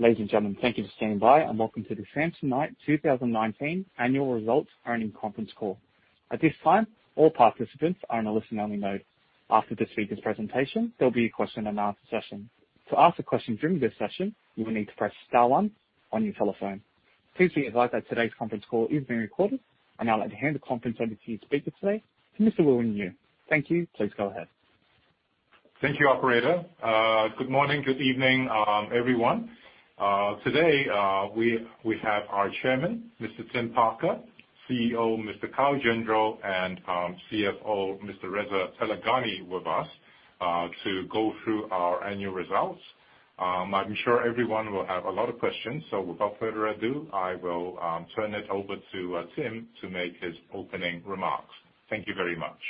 Ladies and gentlemen, thank you for standing by, and welcome to the Samsonite 2019 annual results earnings conference call. At this time, all participants are in a listen-only mode. After the speaker's presentation, there'll be a question and answer session. To ask a question during this session, you will need to press star 1 on your telephone. Please be advised that today's conference call is being recorded. I'd now like to hand the conference over to your speaker today, to Mr. William Yue. Thank you. Please go ahead. Thank you, operator. Good morning. Good evening, everyone. Today, we have our chairman, Mr. Tim Parker, CEO, Mr. Kyle Gendreau, and CFO, Mr. Reza Taleghani, with us to go through our annual results. I'm sure everyone will have a lot of questions, so without further ado, I will turn it over to Tim to make his opening remarks. Thank you very much.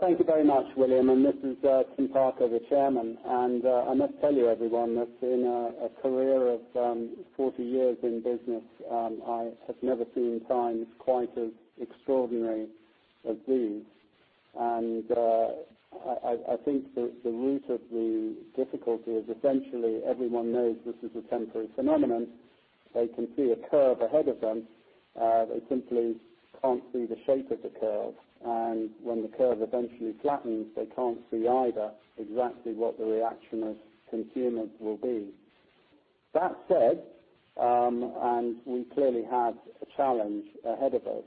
Thank you very much, William. This is Tim Parker, the chairman. I must tell you, everyone, that in a career of 40 years in business, I have never seen times quite as extraordinary as these. I think the root of the difficulty is essentially everyone knows this is a temporary phenomenon. They can see a curve ahead of them. They simply can't see the shape of the curve. When the curve eventually flattens, they can't see either exactly what the reaction of consumers will be. That said, and we clearly have a challenge ahead of us,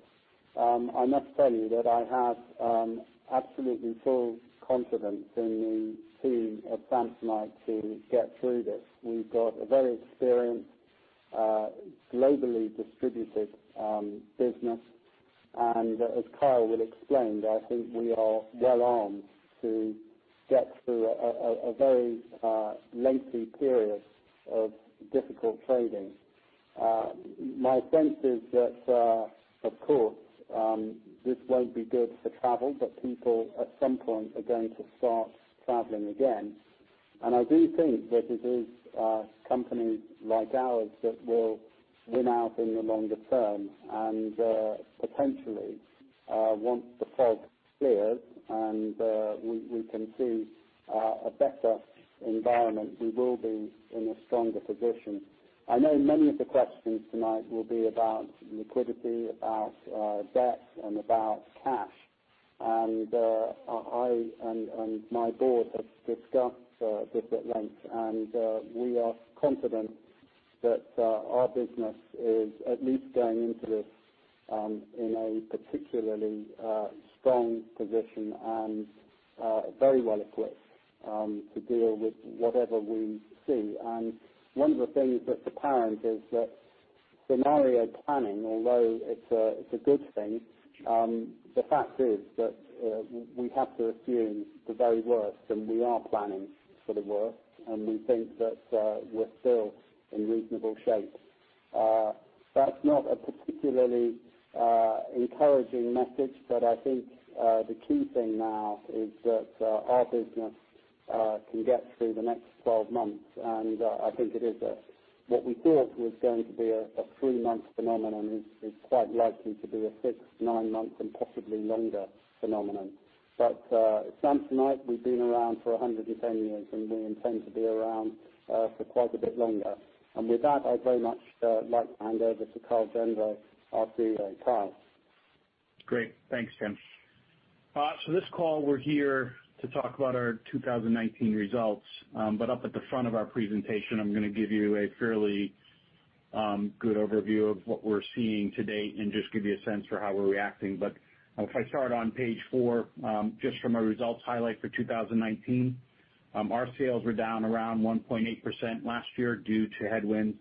I must tell you that I have absolutely full confidence in the team at Samsonite to get through this. We've got a very experienced, globally distributed business. As Kyle will explain, I think we are well-armed to get through a very lengthy period of difficult trading. My sense is that, of course, this won't be good for travel, but people at some point are going to start traveling again. I do think that it is companies like ours that will win out in the longer term. Potentially, once the fog clears and we can see a better environment, we will be in a stronger position. I know many of the questions tonight will be about liquidity, about debt, and about cash. I and my board have discussed this at length, and we are confident that our business is at least going into this in a particularly strong position and very well equipped to deal with whatever we see. One of the things that's apparent is that scenario planning, although it's a good thing, the fact is that we have to assume the very worst, and we are planning for the worst. We think that we're still in reasonable shape. That's not a particularly encouraging message, but I think, the key thing now is that our business can get through the next 12 months. I think it is what we thought was going to be a three-month phenomenon is quite likely to be a six, nine-month, and possibly longer phenomenon. Samsonite, we've been around for 110 years, and we intend to be around for quite a bit longer. With that, I'd very much like to hand over to Kyle Gendreau, our CEO. Kyle. Great. Thanks, Tim. This call, we're here to talk about our 2019 results. Up at the front of our presentation, I'm gonna give you a fairly good overview of what we're seeing to date and just give you a sense for how we're reacting. If I start on page four, just from a results highlight for 2019, our sales were down around 1.8% last year due to headwinds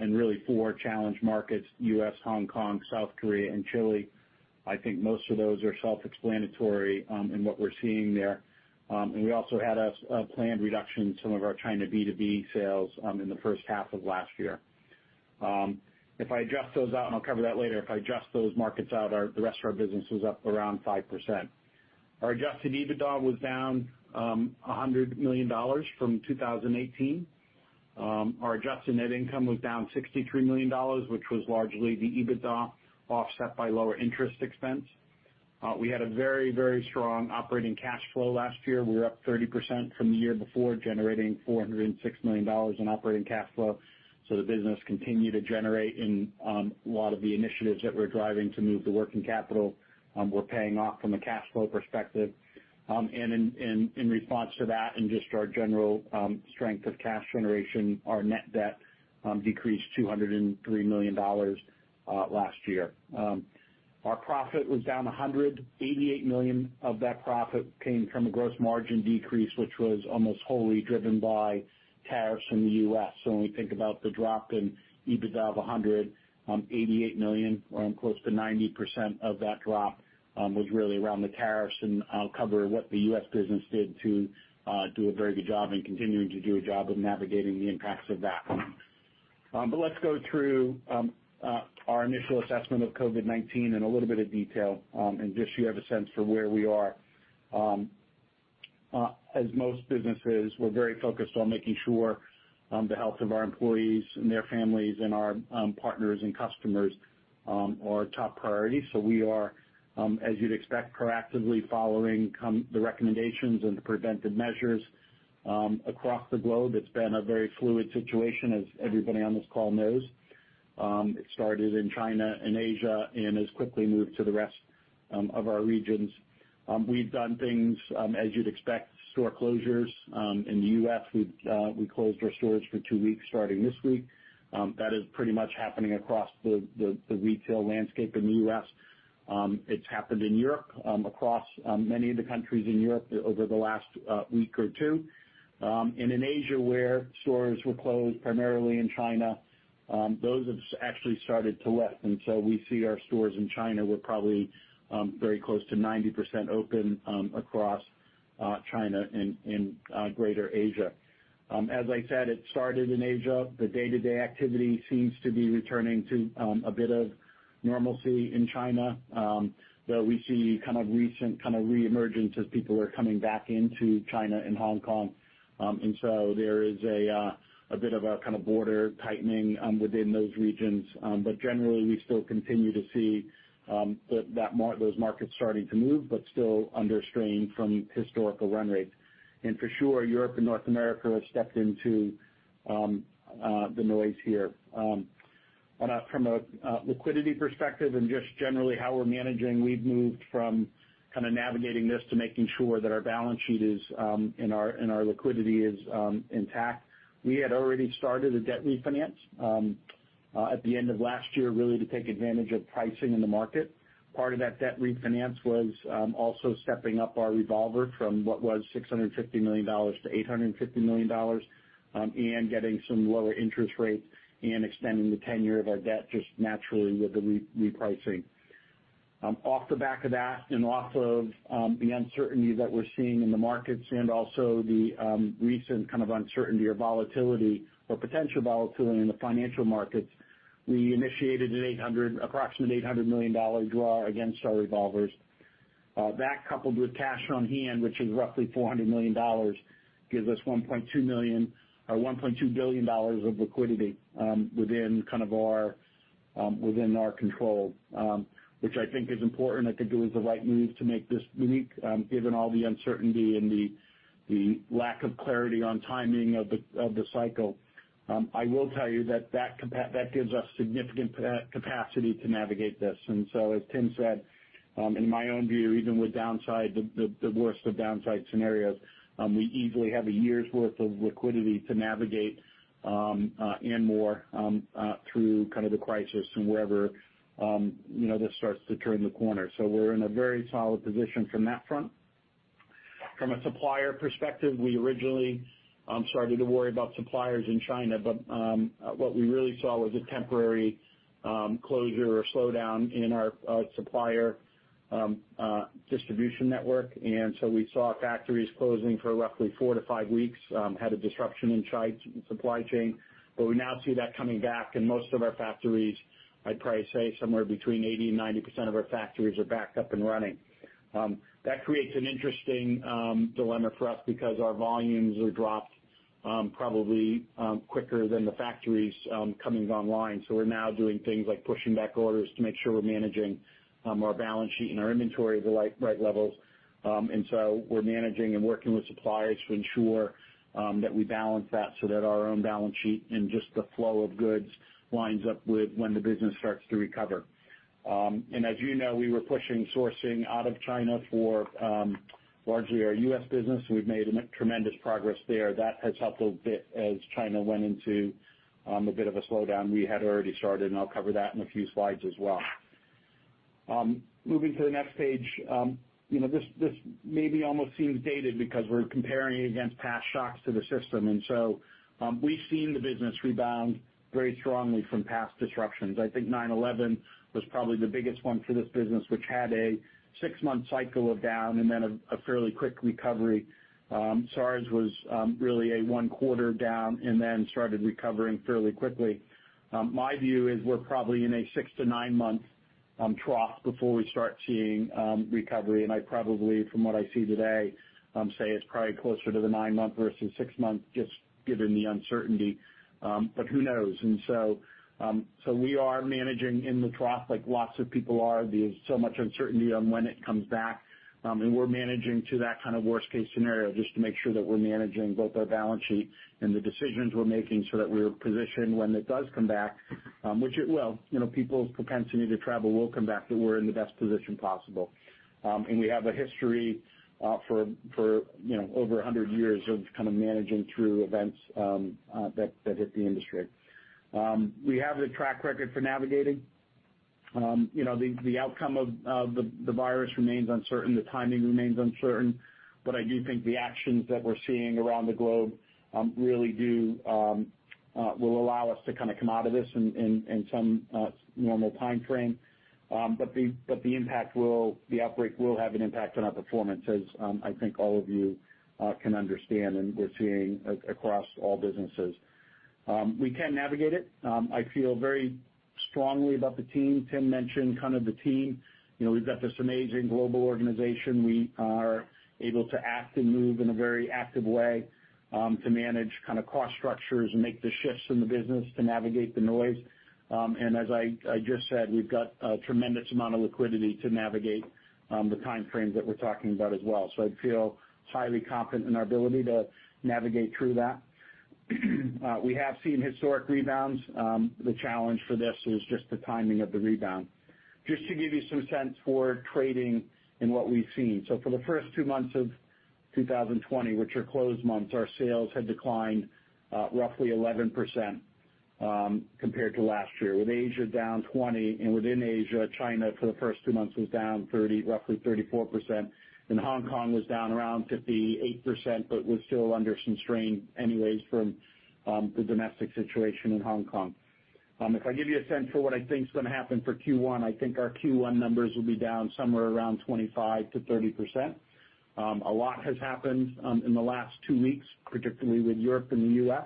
in really four challenged markets, U.S., Hong Kong, South Korea, and Chile. I think most of those are self-explanatory in what we're seeing there. We also had a planned reduction in some of our China B2B sales in the first half of last year. If I adjust those out, and I'll cover that later, if I adjust those markets out, the rest of our business was up around 5%. Our adjusted EBITDA was down $100 million from 2018. Our adjusted net income was down $63 million, which was largely the EBITDA offset by lower interest expense. We had a very strong operating cash flow last year. We were up 30% from the year before, generating $406 million in operating cash flow. The business continued to generate in a lot of the initiatives that we're driving to move the working capital were paying off from a cash flow perspective. In response to that and just our general strength of cash generation, our net debt decreased $203 million last year. Our profit was down $100. $88 million of that profit came from a gross margin decrease, which was almost wholly driven by tariffs in the U.S. When we think about the drop in EBITDA of $188 million, close to 90% of that drop was really around the tariffs. I'll cover what the U.S. business did to do a very good job and continuing to do a job of navigating the impacts of that. Let's go through our initial assessment of COVID-19 in a little bit of detail and just so you have a sense for where we are. As most businesses, we're very focused on making sure the health of our employees and their families and our partners and customers are a top priority. We are, as you'd expect, proactively following the recommendations and the preventive measures across the globe. It's been a very fluid situation, as everybody on this call knows. It started in China and Asia and has quickly moved to the rest of our regions. We've done things as you'd expect, store closures. In the U.S., we closed our stores for two weeks starting this week. That is pretty much happening across the retail landscape in the U.S. It's happened in Europe, across many of the countries in Europe over the last week or two. In Asia, where stores were closed primarily in China, those have actually started to lift. We see our stores in China were probably very close to 90% open across China and Greater Asia. As I said, it started in Asia. The day-to-day activity seems to be returning to a bit of normalcy in China, though we see recent re-emergence as people are coming back into China and Hong Kong. There is a bit of a border tightening within those regions. Generally, we still continue to see those markets starting to move, but still under strain from historical run rates. For sure, Europe and North America have stepped into the noise here. From a liquidity perspective and just generally how we're managing, we've moved from navigating this to making sure that our balance sheet and our liquidity is intact. We had already started a debt refinance at the end of last year, really to take advantage of pricing in the market. Part of that debt refinance was also stepping up our revolver from what was $650 million to $850 million, and getting some lower interest rates and extending the tenure of our debt just naturally with the repricing. Off the back of that and off of the uncertainty that we're seeing in the markets and also the recent uncertainty or volatility or potential volatility in the financial markets, we initiated an approximate $800 million draw against our revolvers. That, coupled with cash on hand, which is roughly $400 million, gives us $1.2 billion of liquidity within our control, which I think is important. I think it was the right move to make this week, given all the uncertainty and the lack of clarity on timing of the cycle. I will tell you that that gives us significant capacity to navigate this. As Tim said, in my own view, even with the worst of downside scenarios, we easily have a year's worth of liquidity to navigate and more through the crisis and wherever this starts to turn the corner. We're in a very solid position from that front. From a supplier perspective, we originally started to worry about suppliers in China, but what we really saw was a temporary closure or slowdown in our supplier distribution network. We saw factories closing for roughly four to five weeks, had a disruption in supply chain. We now see that coming back in most of our factories. I'd probably say somewhere between 80% and 90% of our factories are back up and running. That creates an interesting dilemma for us because our volumes are dropped probably quicker than the factories coming online. We're now doing things like pushing back orders to make sure we're managing our balance sheet and our inventory at the right levels. We're managing and working with suppliers to ensure that we balance that so that our own balance sheet and just the flow of goods lines up with when the business starts to recover. As you know, we were pushing sourcing out of China for largely our U.S. business. We've made tremendous progress there. That has helped a bit as China went into a bit of a slowdown. We had already started, I'll cover that in a few slides as well. Moving to the next page. This maybe almost seems dated because we're comparing against past shocks to the system. So we've seen the business rebound very strongly from past disruptions. I think 9/11 was probably the biggest one for this business, which had a six-month cycle of down and then a fairly quick recovery. SARS was really a one quarter down and then started recovering fairly quickly. My view is we're probably in a six to nine-month trough before we start seeing recovery. I probably, from what I see today, say it's probably closer to the nine-month versus six-month, just given the uncertainty. Who knows? So we are managing in the trough like lots of people are. There's so much uncertainty on when it comes back. We're managing to that kind of worst-case scenario, just to make sure that we're managing both our balance sheet and the decisions we're making so that we're positioned when it does come back, which it will. People's propensity to travel will come back, that we're in the best position possible. We have a history for over 100 years of managing through events that hit the industry. We have the track record for navigating. The outcome of the virus remains uncertain, the timing remains uncertain, but I do think the actions that we're seeing around the globe really will allow us to come out of this in some normal timeframe. The outbreak will have an impact on our performance, as I think all of you can understand, and we're seeing across all businesses. We can navigate it. I feel very strongly about the team. Tim mentioned the team. We've got this amazing global organization. We are able to act and move in a very active way to manage cost structures and make the shifts in the business to navigate the noise. As I just said, we've got a tremendous amount of liquidity to navigate the time frames that we're talking about as well. I feel highly confident in our ability to navigate through that. We have seen historic rebounds. The challenge for this is just the timing of the rebound. Just to give you some sense for trading and what we've seen. For the first two months of 2020, which are closed months, our sales had declined roughly 11% compared to last year, with Asia down 20%. Within Asia, China, for the first two months, was down roughly 34%, and Hong Kong was down around 58%, but was still under some strain anyways from the domestic situation in Hong Kong. If I give you a sense for what I think is going to happen for Q1, I think our Q1 numbers will be down somewhere around 25%-30%. A lot has happened in the last two weeks, particularly with Europe and the U.S.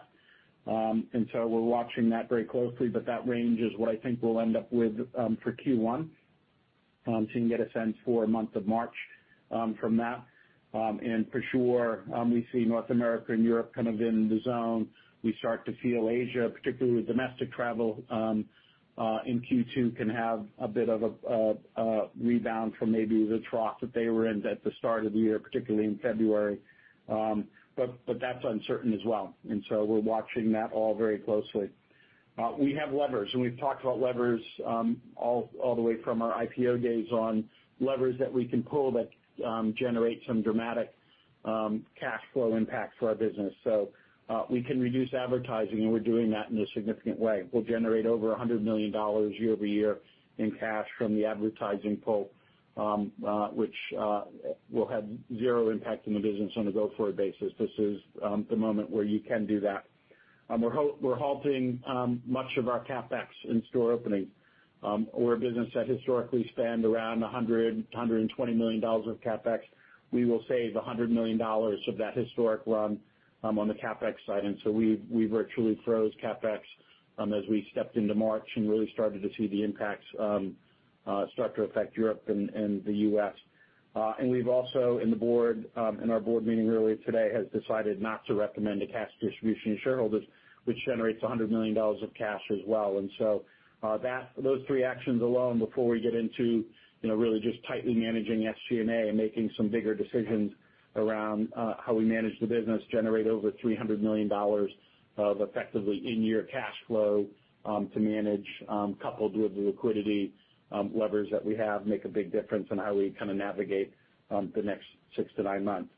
We're watching that very closely, but that range is what I think we'll end up with for Q1, so you can get a sense for month of March from that. For sure, we see North America and Europe kind of in the zone. We start to feel Asia, particularly with domestic travel in Q2 can have a bit of a rebound from maybe the trough that they were in at the start of the year, particularly in February. That's uncertain as well. We're watching that all very closely. We have levers, and we've talked about levers all the way from our IPO days on. Levers that we can pull that generate some dramatic cash flow impact for our business. We can reduce advertising, and we're doing that in a significant way. We'll generate over $100 million year-over-year in cash from the advertising pull, which will have zero impact on the business on a go-forward basis. This is the moment where you can do that. We're halting much of our CapEx in store opening. We're a business that historically spend around $100 million-$120 million of CapEx. We will save $100 million of that historic run on the CapEx side. We virtually froze CapEx as we stepped into March and really started to see the impacts start to affect Europe and the U.S. We've also, in our board meeting earlier today, have decided not to recommend a cash distribution to shareholders, which generates $100 million of cash as well. Those three actions alone, before we get into really just tightly managing SG&A and making some bigger decisions around how we manage the business, generate over $300 million of effectively in-year cash flow to manage, coupled with the liquidity levers that we have, make a big difference in how we navigate the next six to nine months.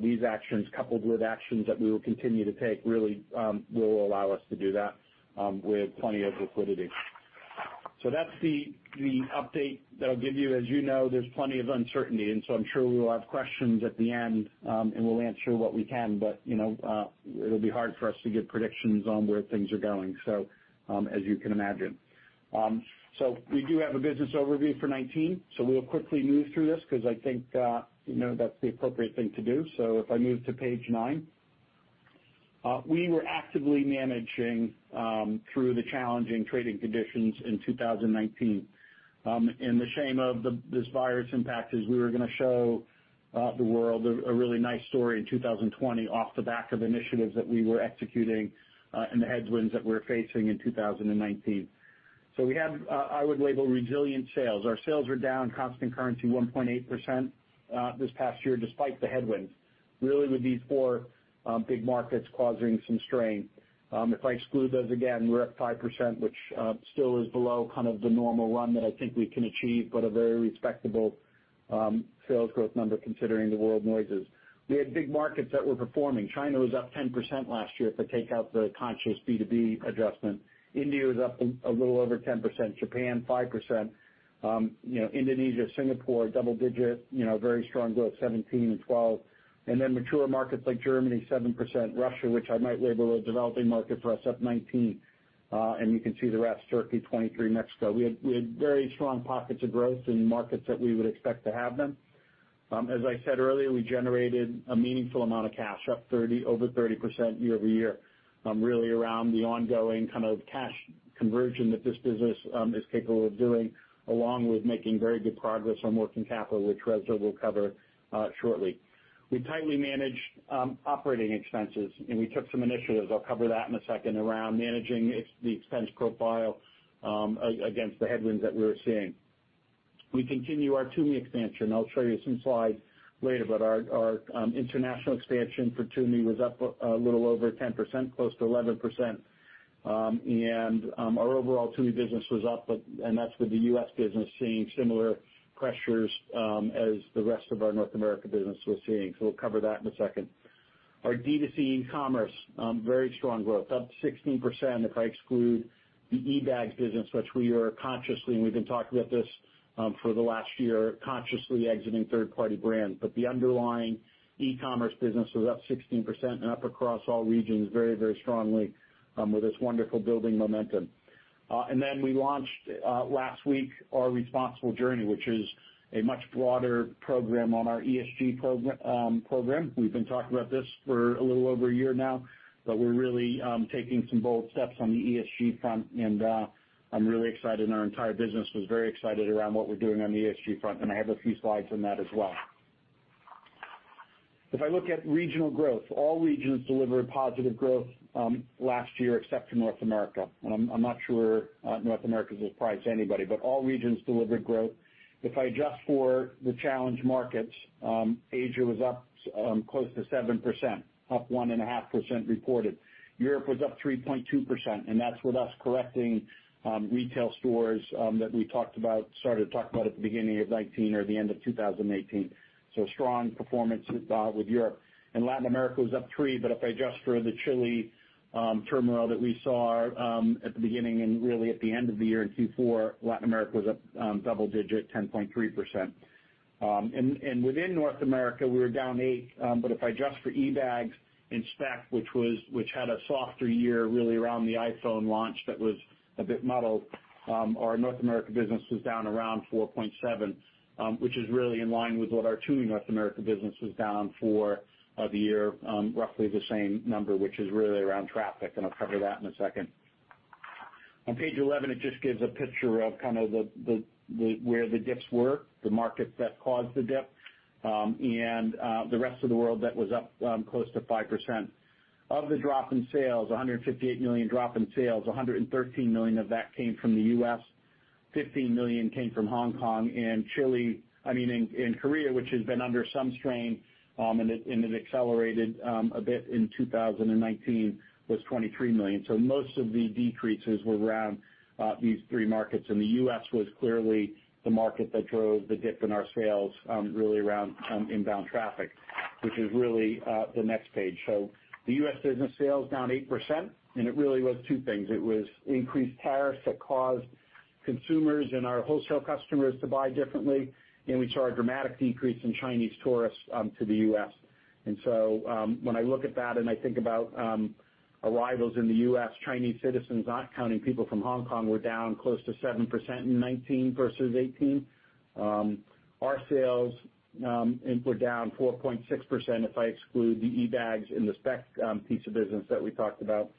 These actions, coupled with actions that we will continue to take, really will allow us to do that with plenty of liquidity. That's the update that I'll give you. As you know, there's plenty of uncertainty, I'm sure we will have questions at the end, and we'll answer what we can. It'll be hard for us to give predictions on where things are going, as you can imagine. We do have a business overview for 2019. We'll quickly move through this because I think that's the appropriate thing to do. If I move to page nine. We were actively managing through the challenging trading conditions in 2019. The shame of this virus impact is we were going to show the world a really nice story in 2020 off the back of initiatives that we were executing and the headwinds that we were facing in 2019. We had, I would label, resilient sales. Our sales were down constant currency 1.8% this past year, despite the headwinds. Really with these four big markets causing some strain. If I exclude those, again, we're up 5%, which still is below the normal run that I think we can achieve, but a very respectable sales growth number considering the world noises. We had big markets that were performing. China was up 10% last year if I take out the conscious B2B adjustment. India was up a little over 10%. Japan, 5%. Indonesia, Singapore, double digit, very strong growth, 17% and 12%. Mature markets like Germany, 7%. Russia, which I might label a developing market for us, up 19%. You can see the rest. Turkey, 23%. Mexico. We had very strong pockets of growth in markets that we would expect to have them. As I said earlier, we generated a meaningful amount of cash, up over 30% year-over-year, really around the ongoing cash conversion that this business is capable of doing, along with making very good progress on working capital, which Reza will cover shortly. We tightly managed operating expenses, and we took some initiatives, I'll cover that in a second, around managing the expense profile against the headwinds that we were seeing. We continue our Tumi expansion. I'll show you some slides later, but our international expansion for Tumi was up a little over 10%, close to 11%. Our overall Tumi business was up, and that's with the U.S. business seeing similar pressures as the rest of our North America business was seeing. We'll cover that in a second. Our D2C e-commerce, very strong growth, up 16% if I exclude the eBags business, which we are consciously, and we've been talking about this for the last year, consciously exiting third-party brands. The underlying e-commerce business was up 16% and up across all regions very strongly with this wonderful building momentum. Then we launched last week Our Responsible Journey, which is a much broader program on our ESG program. We've been talking about this for a little over a year now, but we're really taking some bold steps on the ESG front, and I'm really excited, and our entire business was very excited around what we're doing on the ESG front, and I have a few slides on that as well. If I look at regional growth, all regions delivered positive growth last year except for North America. I'm not sure North America is a surprise to anybody, but all regions delivered growth. If I adjust for the challenge markets, Asia was up close to 7%, up 1.5% reported. Europe was up 3.2%, and that's with us correcting retail stores that we started to talk about at the beginning of 2019 or the end of 2018. Strong performance with Europe. Latin America was up 3%, but if I adjust for the Chile turmoil that we saw at the beginning and really at the end of the year in Q4, Latin America was up double digit, 10.3%. Within North America, we were down 8%. If I adjust for eBags and Speck, which had a softer year really around the iPhone launch that was a bit muddled, our North America business was down around 4.7%, which is really in line with what our Tumi North America business was down for the year. Roughly the same number, which is really around traffic, and I'll cover that in a second. On page 11, it just gives a picture of where the dips were, the markets that caused the dip, and the rest of the world that was up close to 5%. Of the drop in sales, $158 million drop in sales, $113 million of that came from the U.S., $15 million came from Hong Kong and Chile, which has been under some strain, and it accelerated a bit in 2019, was $23 million. Most of the decreases were around these three markets. The U.S. was clearly the market that drove the dip in our sales really around inbound traffic, which is really the next page. The U.S. business sales down 8%, and it really was two things. It was increased tariffs that caused consumers and our wholesale customers to buy differently, and we saw a dramatic decrease in Chinese tourists to the U.S. When I look at that and I think about arrivals in the U.S., Chinese citizens, not counting people from Hong Kong, were down close to 7% in 2019 versus 2018. Our sales input down 4.6% if I exclude the eBags and the Speck piece of business that we talked about.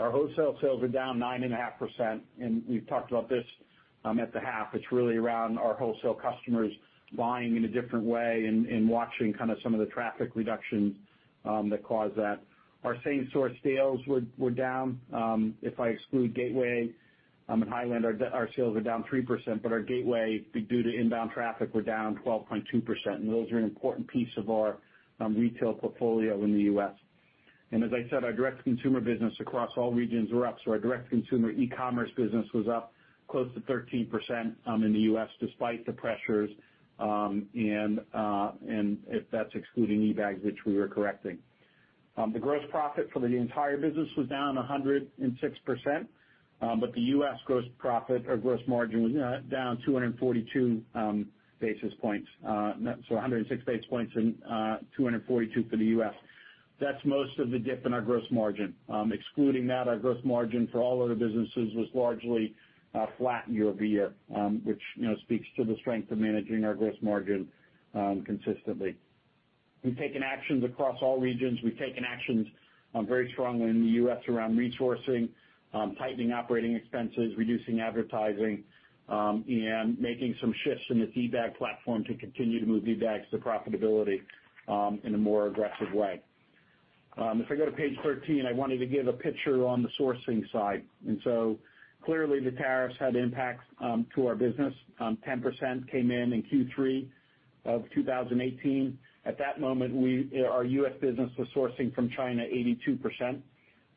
Our wholesale sales are down 9.5%, and we've talked about this at the half. It's really around our wholesale customers buying in a different way and watching some of the traffic reduction that caused that. Our same store sales were down. If I exclude Gateway and High Sierra, our sales are down 3%. Our Gateway, due to inbound traffic, were down 12.2%, and those are an important piece of our retail portfolio in the U.S. As I said, our direct-to-consumer business across all regions were up. Our direct consumer e-commerce business was up close to 13% in the U.S. despite the pressures, and that's excluding eBags, which we are correcting. The gross profit for the entire business was down 106 basis points. The U.S. gross margin was down 242 basis points. 106 basis points and 242 for the U.S. That's most of the dip in our gross margin. Excluding that, our gross margin for all other businesses was largely flat year-over-year, which speaks to the strength of managing our gross margin consistently. We've taken actions across all regions. We've taken actions very strongly in the U.S. around resourcing, tightening operating expenses, reducing advertising, and making some shifts in the eBags platform to continue to move eBags to profitability in a more aggressive way. If I go to page 13, I wanted to give a picture on the sourcing side. Clearly the tariffs had impacts to our business. 10% came in in Q3 of 2018. At that moment, our U.S. business was sourcing from China 82%.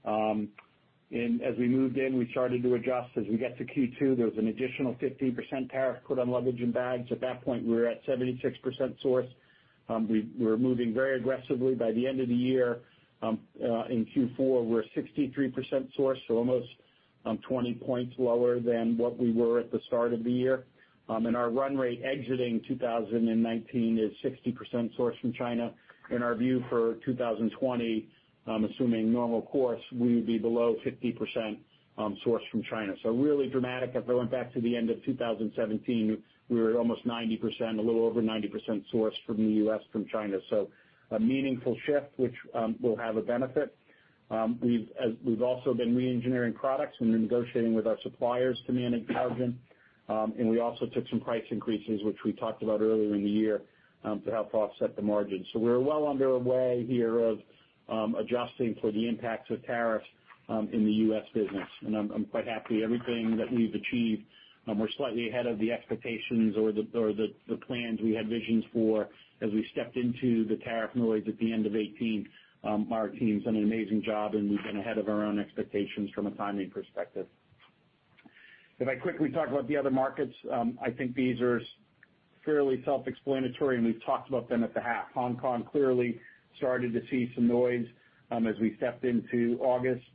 As we moved in, we started to adjust. As we get to Q2, there was an additional 15% tariff put on luggage and bags. At that point, we were at 76% source. We were moving very aggressively. By the end of the year, in Q4, we're 63% source, so almost 20 points lower than what we were at the start of the year. Our run rate exiting 2019 is 60% sourced from China. In our view, for 2020, assuming normal course, we would be below 50% sourced from China. Really dramatic. If I went back to the end of 2017, we were at a little over 90% sourced from the US from China. A meaningful shift, which will have a benefit. We've also been re-engineering products and negotiating with our suppliers to manage margin. We also took some price increases, which we talked about earlier in the year, to help offset the margin. We're well underway here of adjusting for the impacts of tariffs in the US business, and I'm quite happy. Everything that we've achieved, we're slightly ahead of the expectations or the plans we had visions for as we stepped into the tariff noise at the end of 2018. Our team's done an amazing job, and we've been ahead of our own expectations from a timing perspective. If I quickly talk about the other markets, I think these are fairly self-explanatory, and we've talked about them at the half. Hong Kong clearly started to see some noise as we stepped into August.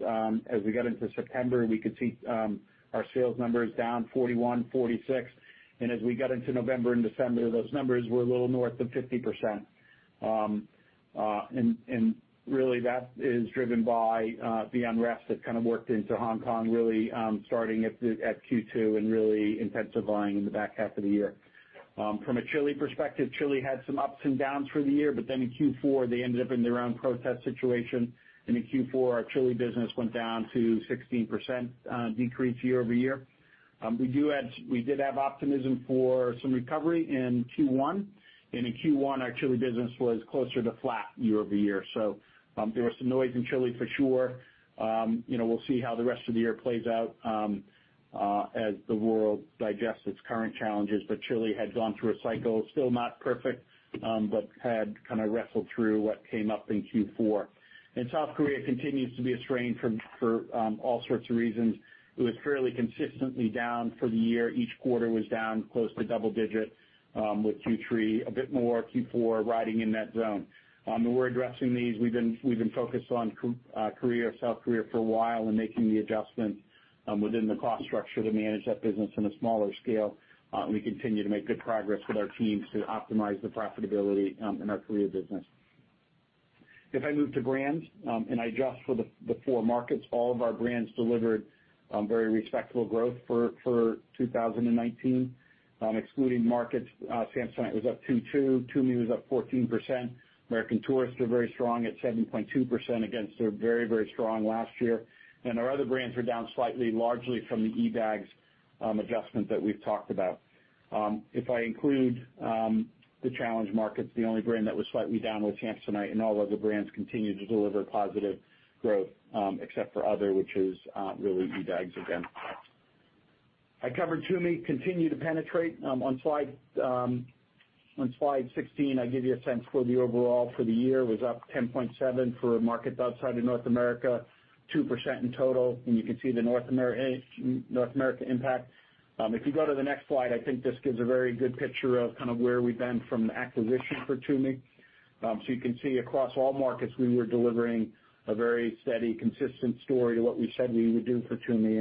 As we got into September, we could see our sales numbers down 41%, 46%. As we got into November and December, those numbers were a little north of 50%. That is driven by the unrest that kind of worked into Hong Kong, really starting at Q2 and really intensifying in the back half of the year. From a Chile perspective, Chile had some ups and downs for the year, but then in Q4 they ended up in their own protest situation. In Q4, our Chile business went down to 16% decrease year-over-year. We did have optimism for some recovery in Q1. In Q1, our Chile business was closer to flat year-over-year. There was some noise in Chile for sure. We'll see how the rest of the year plays out as the world digests its current challenges. Chile had gone through a cycle, still not perfect, but had kind of wrestled through what came up in Q4. South Korea continues to be a strain for all sorts of reasons. It was fairly consistently down for the year. Each quarter was down close to double-digit, with Q3 a bit more, Q4 riding in that zone. We're addressing these. We've been focused on South Korea for a while and making the adjustments within the cost structure to manage that business on a smaller scale. We continue to make good progress with our teams to optimize the profitability in our Korea business. If I move to brands, and I adjust for the four markets, all of our brands delivered very respectable growth for 2019. Excluding markets, Samsonite was up 2.2%, Tumi was up 14%. American Tourister, very strong at 7.2% against their very, very strong last year. Our other brands were down slightly, largely from the eBags adjustment that we've talked about. If I include the challenge markets, the only brand that was slightly down was Samsonite, and all other brands continued to deliver positive growth, except for other, which is really eBags again. I covered Tumi, continue to penetrate. On slide 16, I give you a sense for the overall for the year was up 10.7% for markets outside of North America, 2% in total. You can see the North America impact. If you go to the next slide, I think this gives a very good picture of kind of where we've been from the acquisition for Tumi. You can see across all markets, we were delivering a very steady, consistent story to what we said we would do for Tumi.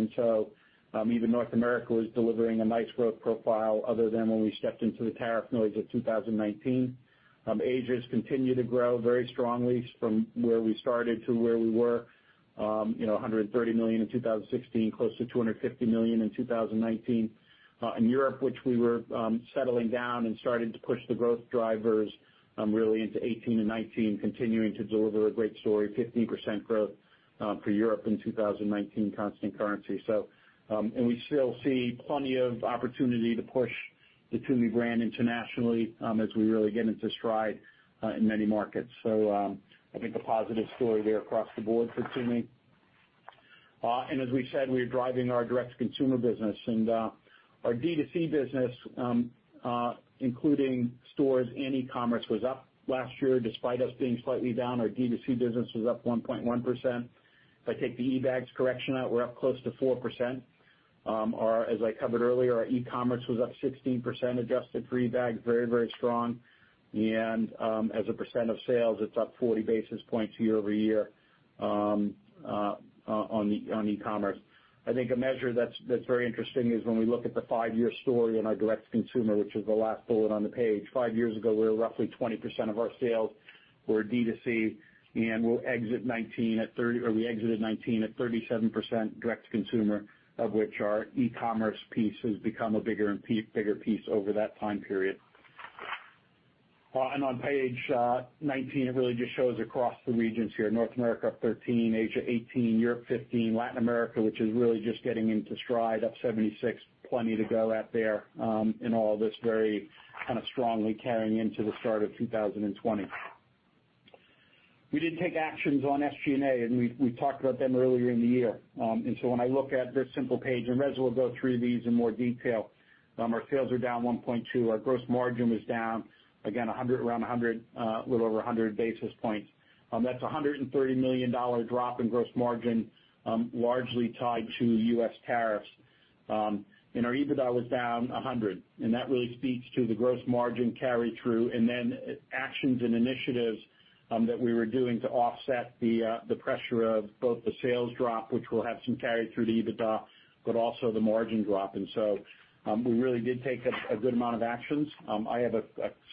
Even North America was delivering a nice growth profile other than when we stepped into the tariff noise of 2019. Asia has continued to grow very strongly from where we started to where we were. $130 million in 2016, close to $250 million in 2019. In Europe, which we were settling down and starting to push the growth drivers really into 2018 and 2019, continuing to deliver a great story, 15% growth for Europe in 2019 constant currency. We still see plenty of opportunity to push the Tumi brand internationally as we really get into stride in many markets. I think a positive story there across the board for Tumi. As we said, we are driving our direct-to-consumer business. Our D2C business, including stores and e-commerce, was up last year. Despite us being slightly down, our D2C business was up 1.1%. If I take the eBags correction out, we're up close to 4%. As I covered earlier, our e-commerce was up 16% adjusted for eBags. Very, very strong. As a percentage of sales, it's up 40 basis points year-over-year on e-commerce. I think a measure that's very interesting is when we look at the five-year story on our direct-to-consumer, which is the last bullet on the page. Five years ago, we were roughly 20% of our sales were D2C. We exited 2019 at 37% direct-to-consumer, of which our e-commerce piece has become a bigger and bigger piece over that time period. On page 19, it really just shows across the regions here. North America, 13%; Asia, 18%; Europe, 15%. Latin America, which is really just getting into stride, up 76%. Plenty to go at there in all this very strongly carrying into the start of 2020. We did take actions on SG&A. We talked about them earlier in the year. When I look at this simple page, Reza will go through these in more detail. Our sales are down 1.2%. Our gross margin was down, again, a little over 100 basis points. That's $130 million drop in gross margin, largely tied to U.S. tariffs. Our EBITDA was down $100, and that really speaks to the gross margin carry through, and then actions and initiatives that we were doing to offset the pressure of both the sales drop, which will have some carry through to EBITDA, but also the margin drop. We really did take a good amount of actions. I have a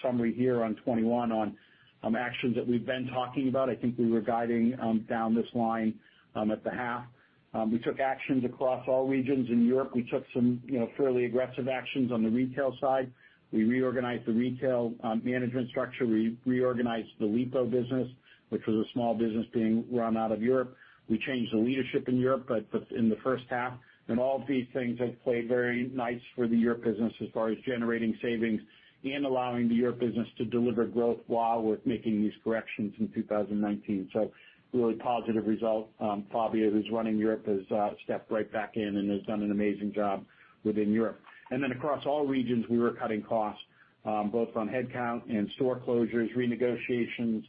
summary here on slide 21 on actions that we've been talking about. I think we were guiding down this line at the half. We took actions across all regions. In Europe, we took some fairly aggressive actions on the retail side. We reorganized the retail management structure. We reorganized the Lipault business, which was a small business being run out of Europe. We changed the leadership in Europe in the first half. All of these things have played very nice for the Europe business as far as generating savings and allowing the Europe business to deliver growth while we're making these corrections in 2019. Really positive result. Fabio, who's running Europe, has stepped right back in and has done an amazing job within Europe. Across all regions, we were cutting costs, both on headcount and store closures, renegotiations,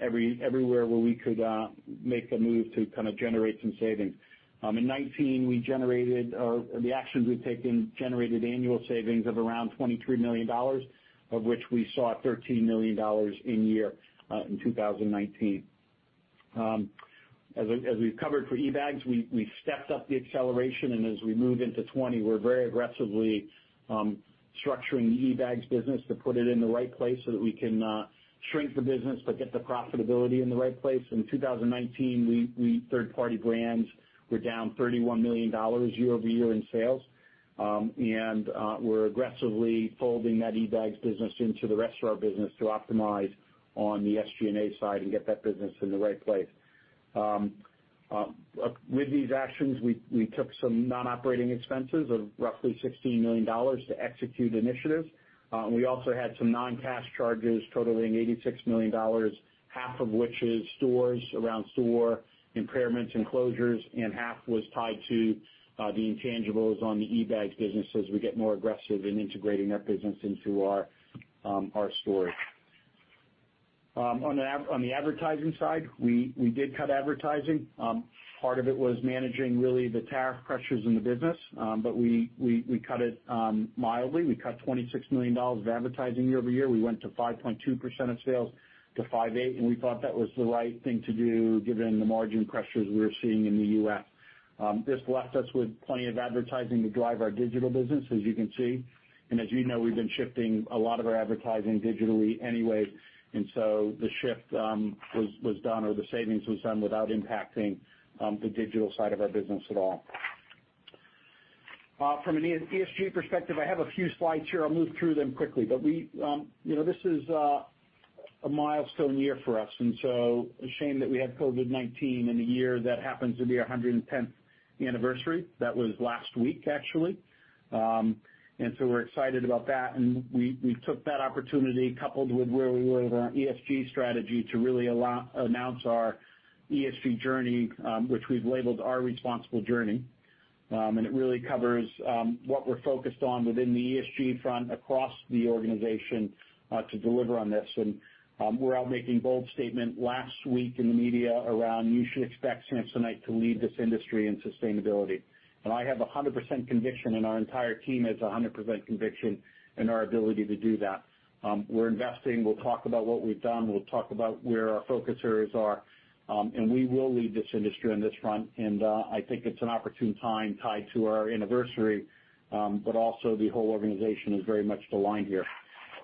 everywhere where we could make a move to kind of generate some savings. In 2019, the actions we've taken generated annual savings of around $23 million, of which we saw $13 million in year in 2019. As we've covered for eBags, we stepped up the acceleration, and as we move into 2020, we're very aggressively structuring the eBags business to put it in the right place so that we can shrink the business but get the profitability in the right place. In 2019, third-party brands were down $31 million year-over-year in sales. We're aggressively folding that eBags business into the rest of our business to optimize on the SG&A side and get that business in the right place. With these actions, we took some non-operating expenses of roughly $16 million to execute initiatives. We also had some non-cash charges totaling $86 million, half of which is stores around store impairments and closures, and half was tied to the intangibles on the eBags business as we get more aggressive in integrating that business into our stores. On the advertising side, we did cut advertising. Part of it was managing really the tariff pressures in the business. We cut it mildly. We cut $26 million of advertising year-over-year. We went to 5.2%-5.8% of sales. We thought that was the right thing to do given the margin pressures we were seeing in the U.S. This left us with plenty of advertising to drive our digital business, as you can see. As you know, we've been shifting a lot of our advertising digitally anyway. The shift was done, or the savings was done without impacting the digital side of our business at all. From an ESG perspective, I have a few slides here. I'll move through them quickly. This is a milestone year for us. A shame that we had COVID-19 in the year that happens to be our 110th anniversary. That was last week, actually. We're excited about that, and we took that opportunity coupled with where we were with our ESG strategy to really announce our ESG journey, which we've labeled Our Responsible Journey. It really covers what we're focused on within the ESG front across the organization to deliver on this. We're out making bold statement last week in the media around you should expect Samsonite to lead this industry in sustainability. I have 100% conviction, and our entire team has 100% conviction in our ability to do that. We're investing. We'll talk about what we've done. We'll talk about where our focus areas are. We will lead this industry on this front, and I think it's an opportune time tied to our anniversary, but also the whole organization is very much aligned here.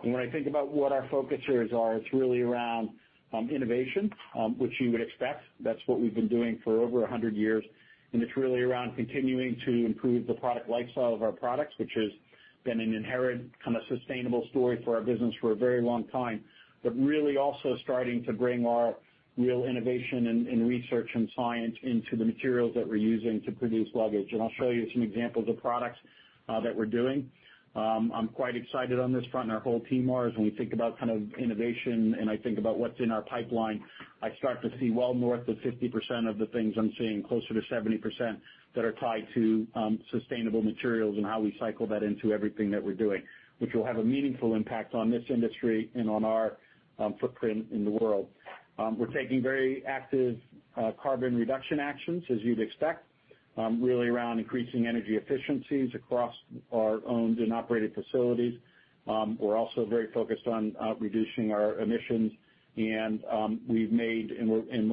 When I think about what our focus areas are, it's really around innovation, which you would expect. That's what we've been doing for over 100 years, and it's really around continuing to improve the product lifestyle of our products, which has been an inherent sustainable story for our business for a very long time. Really also starting to bring our real innovation in research and science into the materials that we're using to produce luggage. I'll show you some examples of products that we're doing. I'm quite excited on this front, and our whole team are, as when we think about innovation and I think about what's in our pipeline, I start to see well north of 50% of the things I'm seeing, closer to 70%, that are tied to sustainable materials and how we cycle that into everything that we're doing, which will have a meaningful impact on this industry and on our footprint in the world. We're taking very active carbon reduction actions, as you'd expect, really around increasing energy efficiencies across our owned and operated facilities. We're also very focused on reducing our emissions, and when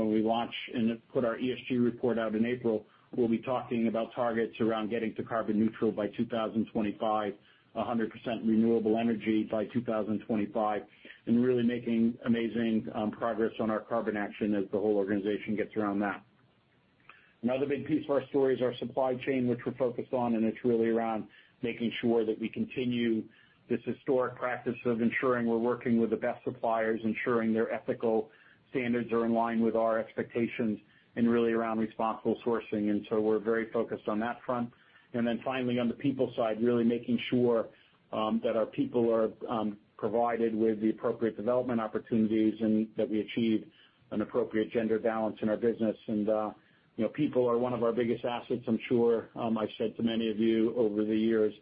we launch and put our ESG report out in April, we'll be talking about targets around getting to carbon neutral by 2025, 100% renewable energy by 2025, and really making amazing progress on our carbon action as the whole organization gets around that. Another big piece of our story is our supply chain, which we're focused on, and it's really around making sure that we continue this historic practice of ensuring we're working with the best suppliers, ensuring their ethical standards are in line with our expectations and really around responsible sourcing. We're very focused on that front. Finally, on the people side, really making sure that our people are provided with the appropriate development opportunities and that we achieve an appropriate gender balance in our business. People are one of our biggest assets. I'm sure I've said to many of you over the years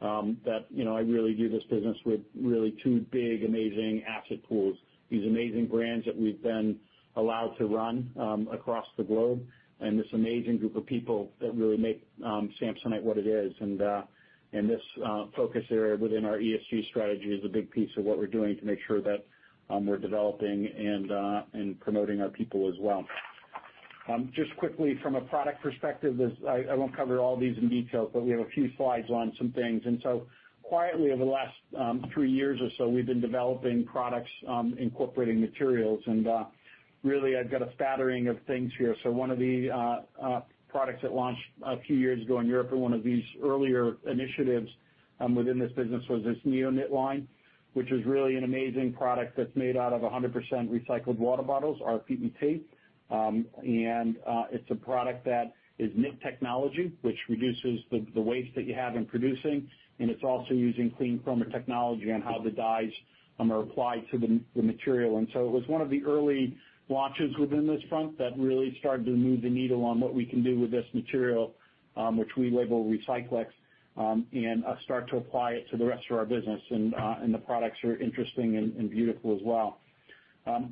that I really view this business with really two big, amazing asset pools, these amazing brands that we've been allowed to run across the globe and this amazing group of people that really make Samsonite what it is. This focus area within our ESG strategy is a big piece of what we're doing to make sure that we're developing and promoting our people as well. Just quickly, from a product perspective, I won't cover all these in detail, but we have a few slides on some things. Quietly over the last three years or so, we've been developing products incorporating materials, and really I've got a spattering of things here. One of the products that launched a few years ago in Europe for one of these earlier initiatives within this business was this Neoknit line, which is really an amazing product that's made out of 100% recycled water bottles, rPET. It's a product that is knit technology, which reduces the waste that you have in producing, and it's also using Clean Chroma technology on how the dyes are applied to the material. It was one of the early launches within this front that really started to move the needle on what we can do with this material, which we label Recyclex, and start to apply it to the rest of our business. The products are interesting and beautiful as well.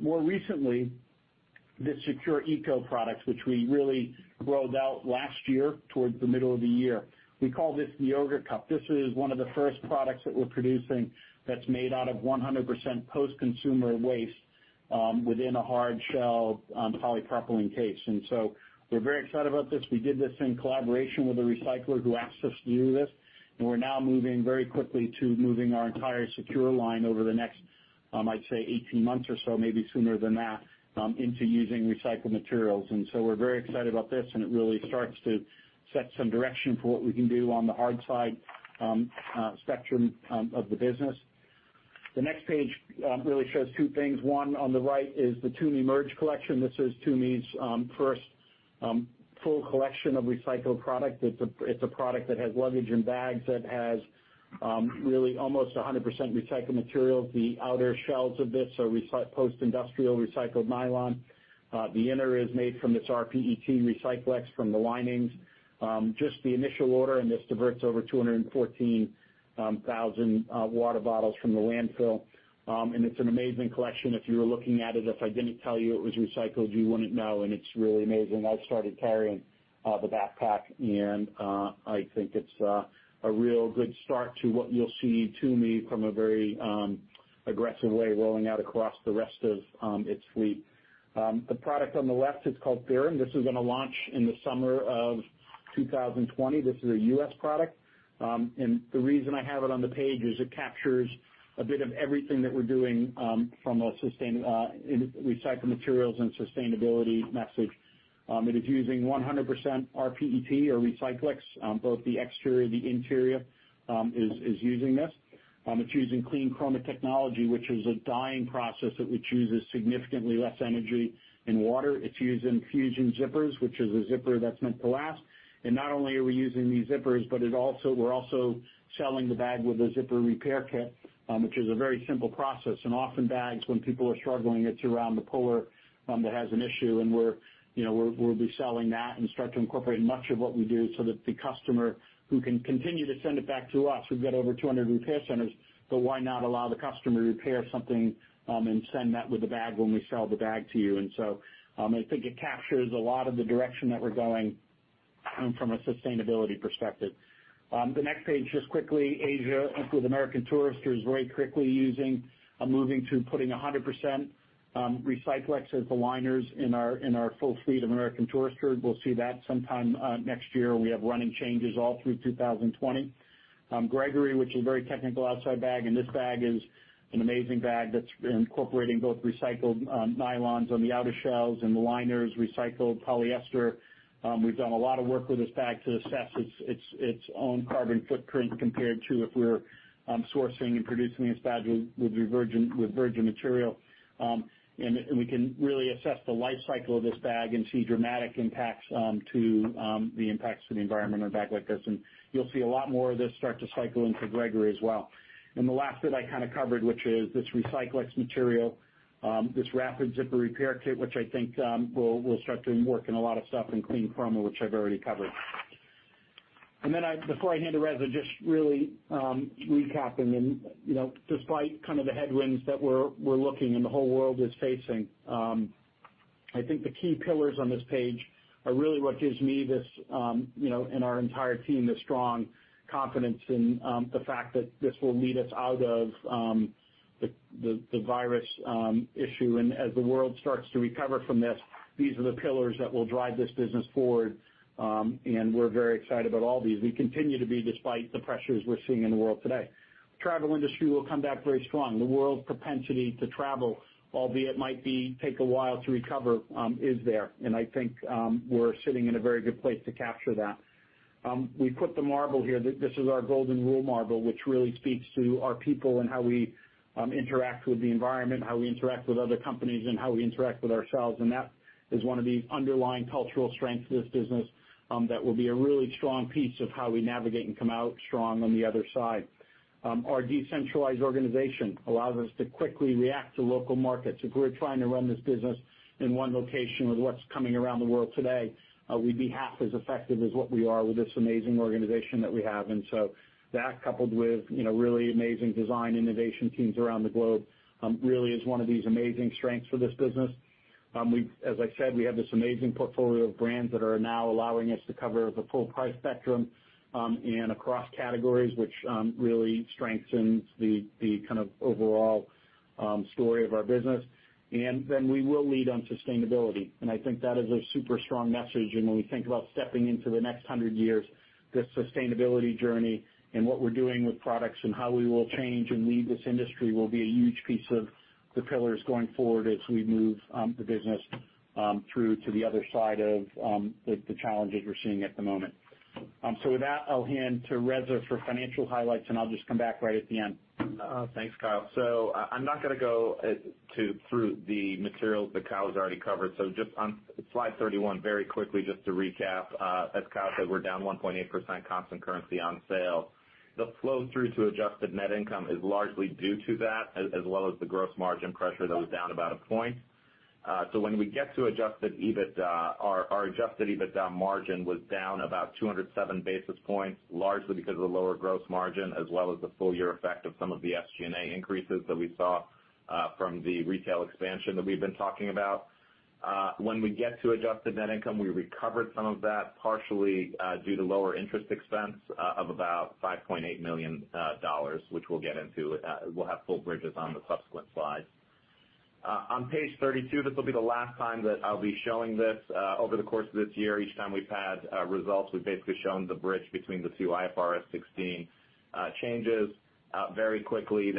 More recently, the S'Cure Eco products, which we really rolled out last year towards the middle of the year. We call this the yogurt cup. This is one of the first products that we're producing that's made out of 100% post-consumer waste within a hard shell polypropylene case. We're very excited about this. We did this in collaboration with a recycler who asked us to do this, and we're now moving very quickly to moving our entire S'Cure Eco line over the next, I'd say 18 months or so, maybe sooner than that, into using recycled materials. We're very excited about this, and it really starts to set some direction for what we can do on the hard side spectrum of the business. The next page really shows two things. One on the right is the Tumi Merge collection. This is Tumi's first full collection of recycled product. It's a product that has luggage and bags that has really almost 100% recycled materials. The outer shells of this are post-industrial recycled nylon. The inner is made from this rPET Recyclex from the linings. Just the initial order, this diverts over 214,000 water bottles from the landfill, and it's an amazing collection. If you were looking at it, if I didn't tell you it was recycled, you wouldn't know, and it's really amazing. I've started carrying the backpack, and I think it's a real good start to what you'll see Tumi from a very aggressive way rolling out across the rest of its fleet. The product on the left is called [Be-Her]. This is going to launch in the summer of 2020. This is a U.S. product. The reason I have it on the page is it captures a bit of everything that we're doing from a recycled materials and sustainability message. It is using 100% rPET or Recyclex. Both the exterior, the interior is using this. It's using Clean Chroma technology, which is a dyeing process that which uses significantly less energy and water. It's using fusion zippers, which is a zipper that's meant to last. Not only are we using these zippers, but we're also selling the bag with a zipper repair kit, which is a very simple process. Often bags, when people are struggling, it's around the puller that has an issue, and we'll be selling that and start to incorporate much of what we do so that the customer who can continue to send it back to us. We've got over 200 repair centers, why not allow the customer to repair something and send that with a bag when we sell the bag to you. I think it captures a lot of the direction that we're going from a sustainability perspective. The next page, just quickly, Asia, includes American Tourister, is very quickly moving to putting 100% Recyclex as the liners in our full fleet of American Tourister. We'll see that sometime next year. We have running changes all through 2020. Gregory, which is a very technical outside bag, and this bag is an amazing bag that's incorporating both recycled nylons on the outer shells and the liners, recycled polyester. We've done a lot of work with this bag to assess its own carbon footprint compared to if we're sourcing and producing this bag with virgin material. We can really assess the life cycle of this bag and see dramatic impacts to the environment on a bag like this. You'll see a lot more of this start to cycle into Gregory as well. The last bit I covered, which is this Recyclex material, this rapid zipper repair kit, which I think will start to work in a lot of stuff in Clean Chroma, which I've already covered. Before I hand to Reza, just really recapping and despite the headwinds that we're looking and the whole world is facing, I think the key pillars on this page are really what gives me this, and our entire team, the strong confidence in the fact that this will lead us out of the virus issue. As the world starts to recover from this, these are the pillars that will drive this business forward. We're very excited about all these. We continue to be despite the pressures we're seeing in the world today. Travel industry will come back very strong. The world's propensity to travel, albeit might take a while to recover, is there, and I think we're sitting in a very good place to capture that. We put the model here. This is our golden rule model, which really speaks to our people and how we interact with the environment, how we interact with other companies, and how we interact with ourselves. That is one of the underlying cultural strengths of this business that will be a really strong piece of how we navigate and come out strong on the other side. Our decentralized organization allows us to quickly react to local markets. If we were trying to run this business in one location with what's coming around the world today, we'd be half as effective as what we are with this amazing organization that we have. That coupled with really amazing design innovation teams around the globe really is one of these amazing strengths for this business. As I said, we have this amazing portfolio of brands that are now allowing us to cover the full price spectrum, and across categories, which really strengthens the overall story of our business. We will lead on sustainability, and I think that is a super strong message. When we think about stepping into the next 100 years, this sustainability journey and what we're doing with products and how we will change and lead this industry will be a huge piece of the pillars going forward as we move the business through to the other side of the challenges we're seeing at the moment. With that, I'll hand to Reza for financial highlights, and I'll just come back right at the end. Thanks, Kyle. I'm not going to go through the materials that Kyle's already covered. Just on slide 31, very quickly, just to recap. As Kyle said, we're down 1.8% constant currency on sale. The flow through to adjusted net income is largely due to that, as well as the gross margin pressure that was down about one point. When we get to adjusted EBITDA, our adjusted EBITDA margin was down about 207 basis points, largely because of the lower gross margin as well as the full year effect of some of the SG&A increases that we saw from the retail expansion that we've been talking about. When we get to adjusted net income, we recovered some of that partially due to lower interest expense of about $5.8 million, which we'll get into. We'll have full bridges on the subsequent slides. On page 32, this will be the last time that I'll be showing this. Over the course of this year, each time we've had results, we've basically shown the bridge between the two IFRS 16 changes. Very quickly,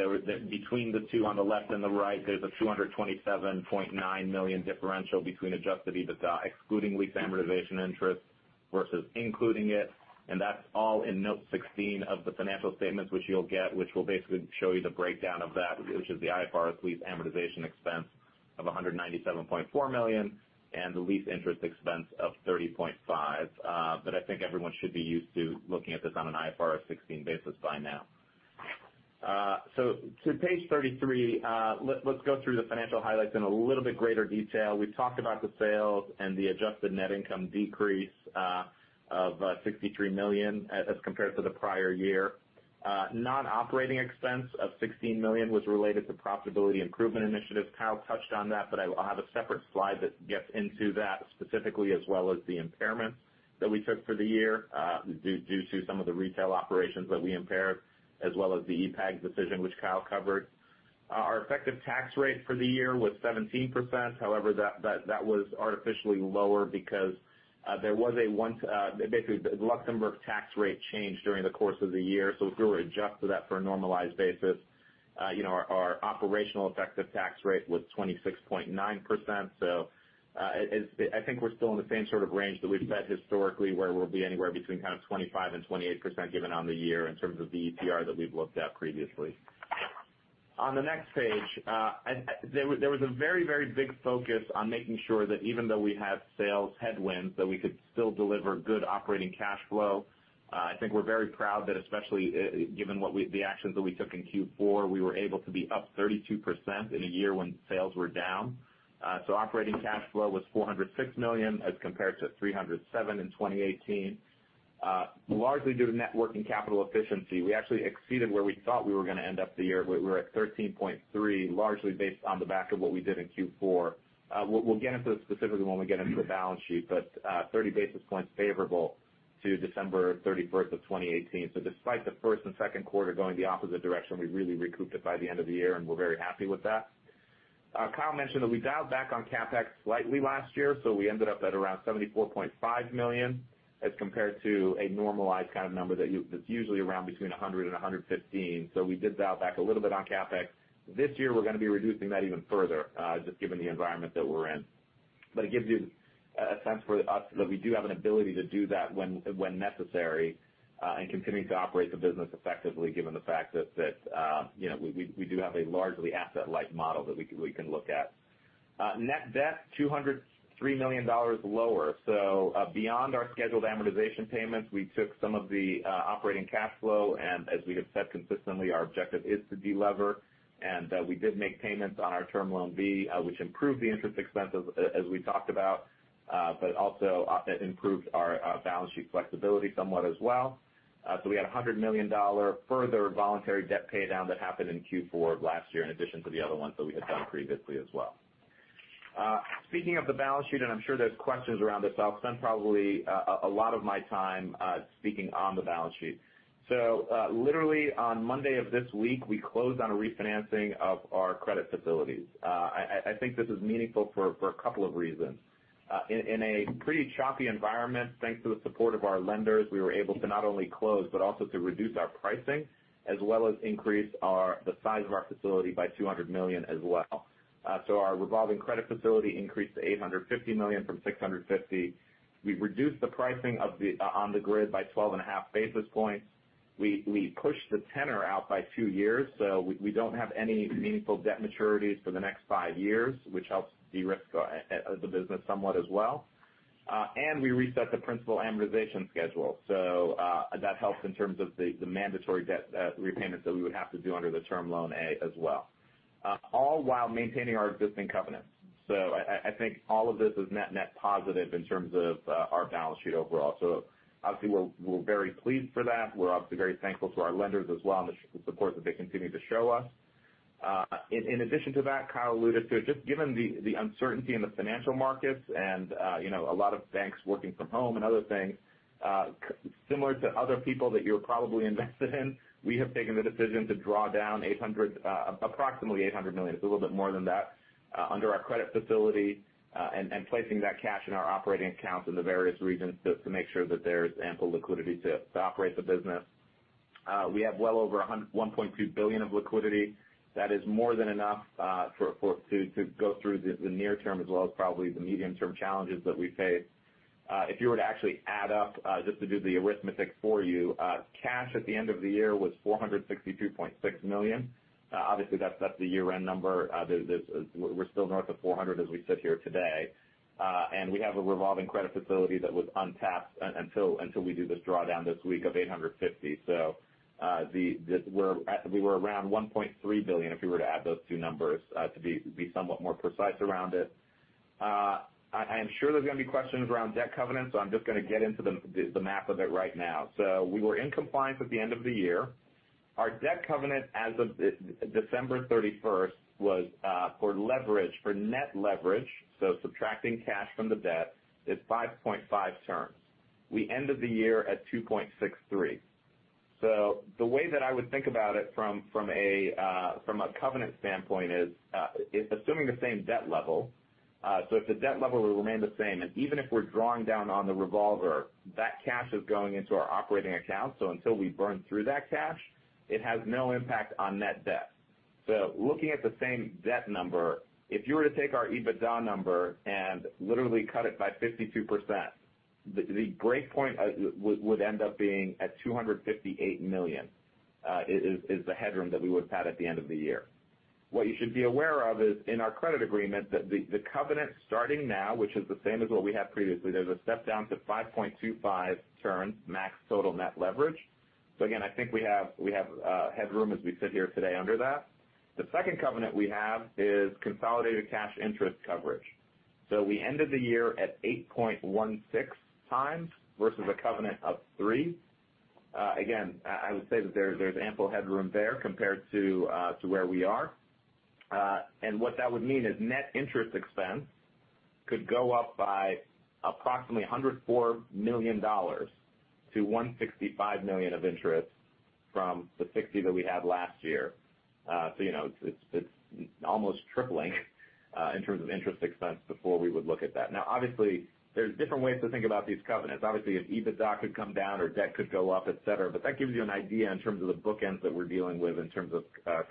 between the two on the left and the right, there's a $227.9 million differential between adjusted EBITDA, excluding lease amortization interest versus including it, and that's all in Note 16 of the financial statements, which you'll get, which will basically show you the breakdown of that, which is the IFRS lease amortization expense of $197.4 million and the lease interest expense of $30.5. I think everyone should be used to looking at this on an IFRS 16 basis by now. To page 33, let's go through the financial highlights in a little bit greater detail. We've talked about the sales and the adjusted net income decrease of $63 million as compared to the prior year. Non-operating expense of $16 million was related to profitability improvement initiatives. Kyle touched on that, but I have a separate slide that gets into that specifically, as well as the impairments that we took for the year due to some of the retail operations that we impaired, as well as the eBags decision, which Kyle covered. Our effective tax rate for the year was 17%. That was artificially lower because the Luxembourg tax rate changed during the course of the year. If we were to adjust for that for a normalized basis, our operational effective tax rate was 26.9%. I think we're still in the same sort of range that we've set historically, where we'll be anywhere between kind of 25% and 28% given on the year in terms of the ETR that we've looked at previously. On the next page, there was a very big focus on making sure that even though we had sales headwinds, that we could still deliver good operating cash flow. I think we're very proud that, especially given the actions that we took in Q4, we were able to be up 32% in a year when sales were down. Operating cash flow was $406 million as compared to $307 million in 2018. Largely due to net working capital efficiency, we actually exceeded where we thought we were going to end up the year. We're at 13.3%, largely based on the back of what we did in Q4. We'll get into the specifics when we get into the balance sheet, 30 basis points favorable to December 31st of 2018. Despite the first and second quarter going the opposite direction, we really recouped it by the end of the year, and we're very happy with that. Kyle mentioned that we dialed back on CapEx slightly last year, so we ended up at around $74.5 million as compared to a normalized kind of number that's usually around between $100 million and $115 million. We did dial back a little bit on CapEx. This year, we're going to be reducing that even further, just given the environment that we're in. It gives you a sense that we do have an ability to do that when necessary, and continuing to operate the business effectively, given the fact that we do have a largely asset-light model that we can look at. Net debt, $203 million lower. Beyond our scheduled amortization payments, we took some of the operating cash flow, and as we have said consistently, our objective is to de-lever, and we did make payments on our term loan B, which improved the interest expense, as we talked about, but also improved our balance sheet flexibility somewhat as well. We had $100 million further voluntary debt paydown that happened in Q4 of last year, in addition to the other ones that we had done previously as well. Speaking of the balance sheet, and I'm sure there's questions around this, so I'll spend probably a lot of my time speaking on the balance sheet. Literally on Monday of this week, we closed on a refinancing of our credit facilities. I think this is meaningful for a couple of reasons. In a pretty choppy environment, thanks to the support of our lenders, we were able to not only close, but also to reduce our pricing, as well as increase the size of our facility by $200 million as well. Our revolving credit facility increased to $850 million from $650. We reduced the pricing on the grid by 12.5 basis points. We pushed the tenor out by two years, so we don't have any meaningful debt maturities for the next five years, which helps de-risk the business somewhat as well. We reset the principal amortization schedule. That helps in terms of the mandatory debt repayments that we would have to do under the term loan A as well, all while maintaining our existing covenants. I think all of this is net positive in terms of our balance sheet overall. Obviously, we're very pleased for that. We're obviously very thankful to our lenders as well, and the support that they continue to show us. In addition to that, Kyle alluded to it, just given the uncertainty in the financial markets and a lot of banks working from home and other things, similar to other people that you're probably invested in, we have taken the decision to draw down approximately $800 million. It's a little bit more than that, under our credit facility, and placing that cash in our operating accounts in the various regions to make sure that there's ample liquidity to operate the business. We have well over $1.2 billion of liquidity. That is more than enough to go through the near term as well as probably the medium-term challenges that we face. If you were to actually add up, just to do the arithmetic for you, cash at the end of the year was $462.6 million. Obviously, that's the year-end number. We're still north of $400 as we sit here today. We have a revolving credit facility that was untapped until we do this drawdown this week of $850. We were around $1.3 billion if you were to add those two numbers to be somewhat more precise around it. I am sure there's going to be questions around debt covenants, so I'm just going to get into the math of it right now. We were in compliance at the end of the year. Our debt covenant as of December 31st was for net leverage, so subtracting cash from the debt, is 5.5 turns. We ended the year at 2.63. The way that I would think about it from a covenant standpoint is, assuming the same debt level, if the debt level will remain the same, and even if we're drawing down on the revolver, that cash is going into our operating account. Until we burn through that cash, it has no impact on net debt. Looking at the same debt number, if you were to take our EBITDA number and literally cut it by 52%, the breakpoint would end up being at $258 million, is the headroom that we would have had at the end of the year. What you should be aware of is in our credit agreement, that the covenant starting now, which is the same as what we had previously, there's a step-down to 5.25 turns max total net leverage. Again, I think we have headroom as we sit here today under that. The second covenant we have is consolidated cash interest coverage. We ended the year at 8.16 times versus a covenant of three. Again, I would say that there's ample headroom there compared to where we are. What that would mean is net interest expense could go up by approximately $104 million to $165 million of interest from the $60 that we had last year. It's almost tripling in terms of interest expense before we would look at that. Obviously, there's different ways to think about these covenants. Obviously, if EBITDA could come down or debt could go up, et cetera. That gives you an idea in terms of the bookends that we're dealing with in terms of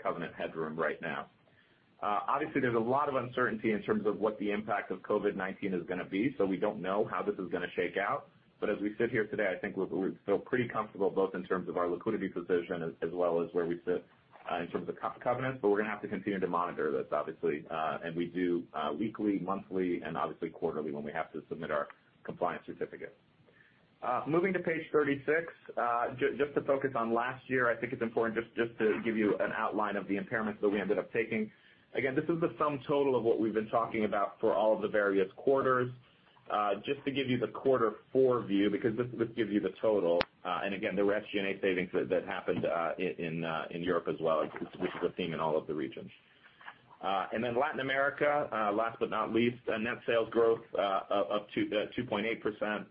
covenant headroom right now. There's a lot of uncertainty in terms of what the impact of COVID-19 is going to be. We don't know how this is going to shake out. As we sit here today, I think we feel pretty comfortable both in terms of our liquidity position as well as where we sit in terms of covenants. We're going to have to continue to monitor this, obviously, and we do weekly, monthly, and obviously quarterly when we have to submit our compliance certificate. Moving to page 36. Just to focus on last year, I think it's important just to give you an outline of the impairments that we ended up taking. Again, this is the sum total of what we've been talking about for all of the various quarters. Just to give you the quarter 4 view, because this gives you the total. Again, there were SG&A savings that happened in Europe as well, which is a theme in all of the regions. Latin America, last but not least, net sales growth up 2.8%.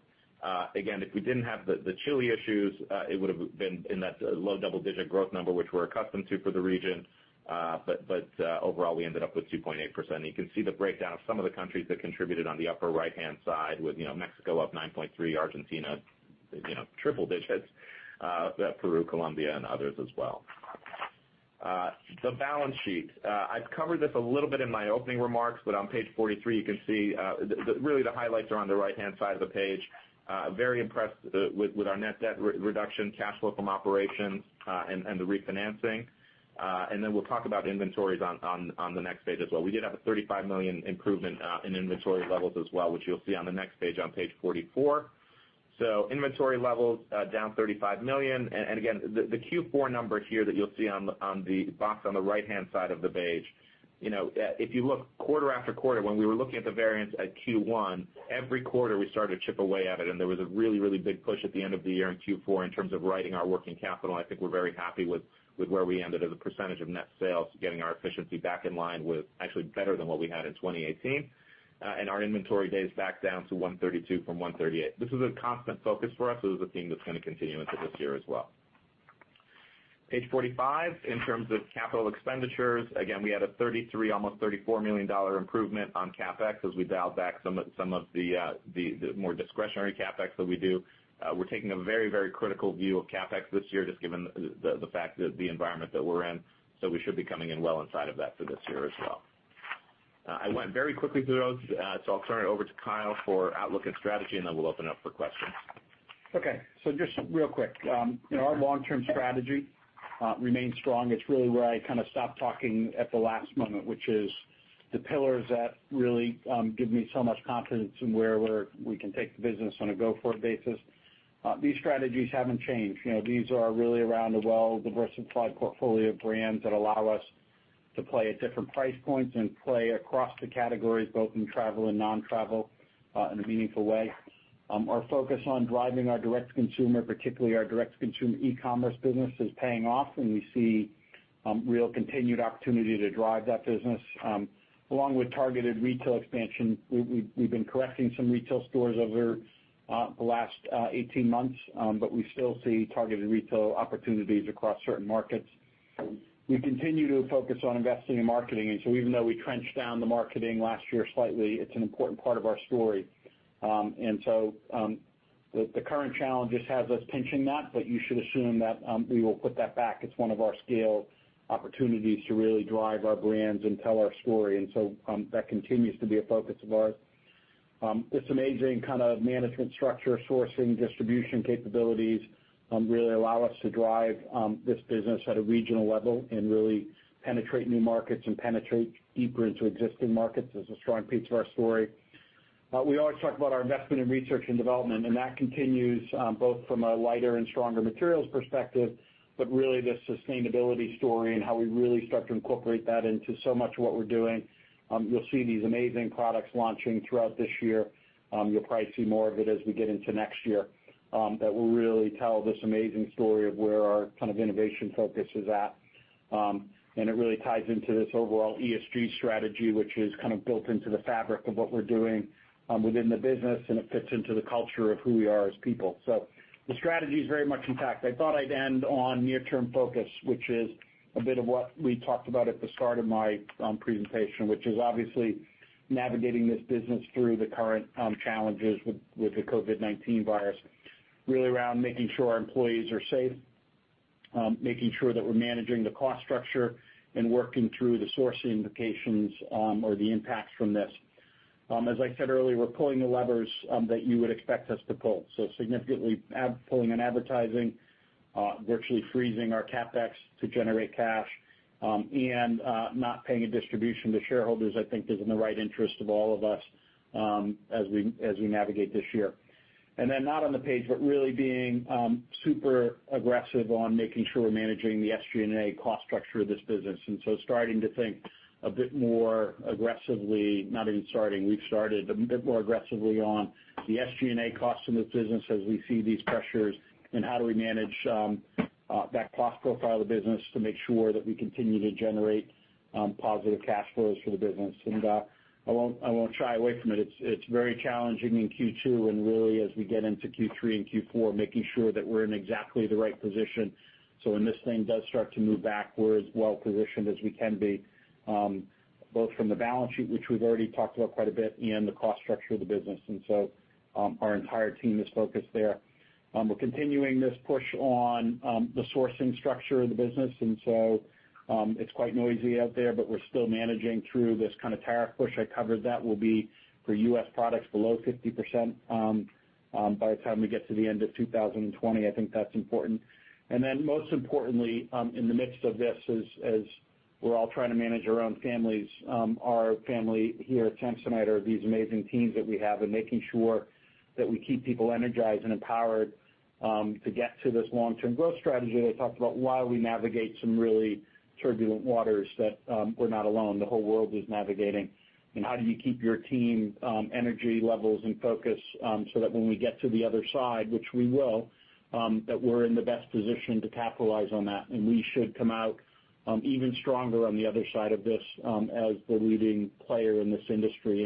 Again, if we didn't have the Chile issues, it would've been in that low double-digit growth number, which we're accustomed to for the region. Overall, we ended up with 2.8%. You can see the breakdown of some of the countries that contributed on the upper right-hand side with Mexico up 9.3%, Argentina triple digits, Peru, Colombia, and others as well. The balance sheet. I've covered this a little bit in my opening remarks, on page 43, you can see really the highlights are on the right-hand side of the page. Very impressed with our net debt reduction, cash flow from operations, and the refinancing. We'll talk about inventories on the next page as well. We did have a $35 million improvement in inventory levels as well, which you'll see on the next page, on page 44. Inventory levels down $35 million. The Q4 numbers here that you'll see on the box on the right-hand side of the page. If you look quarter after quarter, when we were looking at the variance at Q1, every quarter, we started to chip away at it, and there was a really big push at the end of the year in Q4 in terms of righting our working capital. I think we're very happy with where we ended as a percentage of net sales, getting our efficiency back in line with actually better than what we had in 2018. Our inventory days back down to 132 from 138. This is a constant focus for us. This is a theme that's going to continue into this year as well. Page 45, in terms of capital expenditures, again, we had a $33 million, almost $34 million improvement on CapEx as we dialed back some of the more discretionary CapEx that we do. We're taking a very critical view of CapEx this year, just given the fact that the environment that we're in, so we should be coming in well inside of that for this year as well. I went very quickly through those. I'll turn it over to Kyle for outlook and strategy, and then we'll open up for questions. Just real quick. Our long-term strategy remains strong. It's really where I kind of stopped talking at the last moment, which is the pillars that really give me so much confidence in where we can take the business on a go-forward basis. These strategies haven't changed. These are really around a well-diversified portfolio of brands that allow us to play at different price points and play across the categories, both in travel and non-travel, in a meaningful way. Our focus on driving our direct-to-consumer, particularly our direct-to-consumer e-commerce business, is paying off, and we see real continued opportunity to drive that business. Along with targeted retail expansion, we've been correcting some retail stores over the last 18 months, but we still see targeted retail opportunities across certain markets. We continue to focus on investing in marketing. Even though we trenched down the marketing last year slightly, it's an important part of our story. The current challenges have us pinching that, but you should assume that we will put that back as one of our scale opportunities to really drive our brands and tell our story. That continues to be a focus of ours. This amazing kind of management structure, sourcing, distribution capabilities really allow us to drive this business at a regional level and really penetrate new markets and penetrate deeper into existing markets is a strong piece of our story. We always talk about our investment in research and development, and that continues both from a lighter and stronger materials perspective, but really the sustainability story and how we really start to incorporate that into so much of what we're doing. You'll see these amazing products launching throughout this year. You'll probably see more of it as we get into next year that will really tell this amazing story of where our kind of innovation focus is at. It really ties into this overall ESG strategy, which is kind of built into the fabric of what we're doing within the business, and it fits into the culture of who we are as people. The strategy is very much intact. I thought I'd end on near-term focus, which is a bit of what we talked about at the start of my presentation, which is obviously navigating this business through the current challenges with the COVID-19 virus. Really around making sure our employees are safe, making sure that we're managing the cost structure, and working through the sourcing implications or the impacts from this. As I said earlier, we're pulling the levers that you would expect us to pull. Significantly pulling on advertising, virtually freezing our CapEx to generate cash, and not paying a distribution to shareholders, I think is in the right interest of all of us as we navigate this year. Not on the page, but really being super aggressive on making sure we're managing the SG&A cost structure of this business. Starting to think a bit more aggressively, not even starting, we've started, but a bit more aggressively on the SG&A cost in this business as we see these pressures and how do we manage that cost profile of the business to make sure that we continue to generate positive cash flows for the business. I won't shy away from it. It's very challenging in Q2 and really as we get into Q3 and Q4, making sure that we're in exactly the right position. When this thing does start to move back, we're as well positioned as we can be, both from the balance sheet, which we've already talked about quite a bit, and the cost structure of the business. Our entire team is focused there. We're continuing this push on the sourcing structure of the business. It's quite noisy out there, but we're still managing through this kind of tariff push I covered. That will be for U.S. products below 50% by the time we get to the end of 2020. I think that's important. Most importantly, in the midst of this as we're all trying to manage our own families, our family here at Samsonite are these amazing teams that we have and making sure that we keep people energized and empowered to get to this long-term growth strategy that I talked about while we navigate some really turbulent waters that we're not alone. The whole world is navigating. How do you keep your team energy levels and focus so that when we get to the other side, which we will, that we're in the best position to capitalize on that. We should come out even stronger on the other side of this as the leading player in this industry.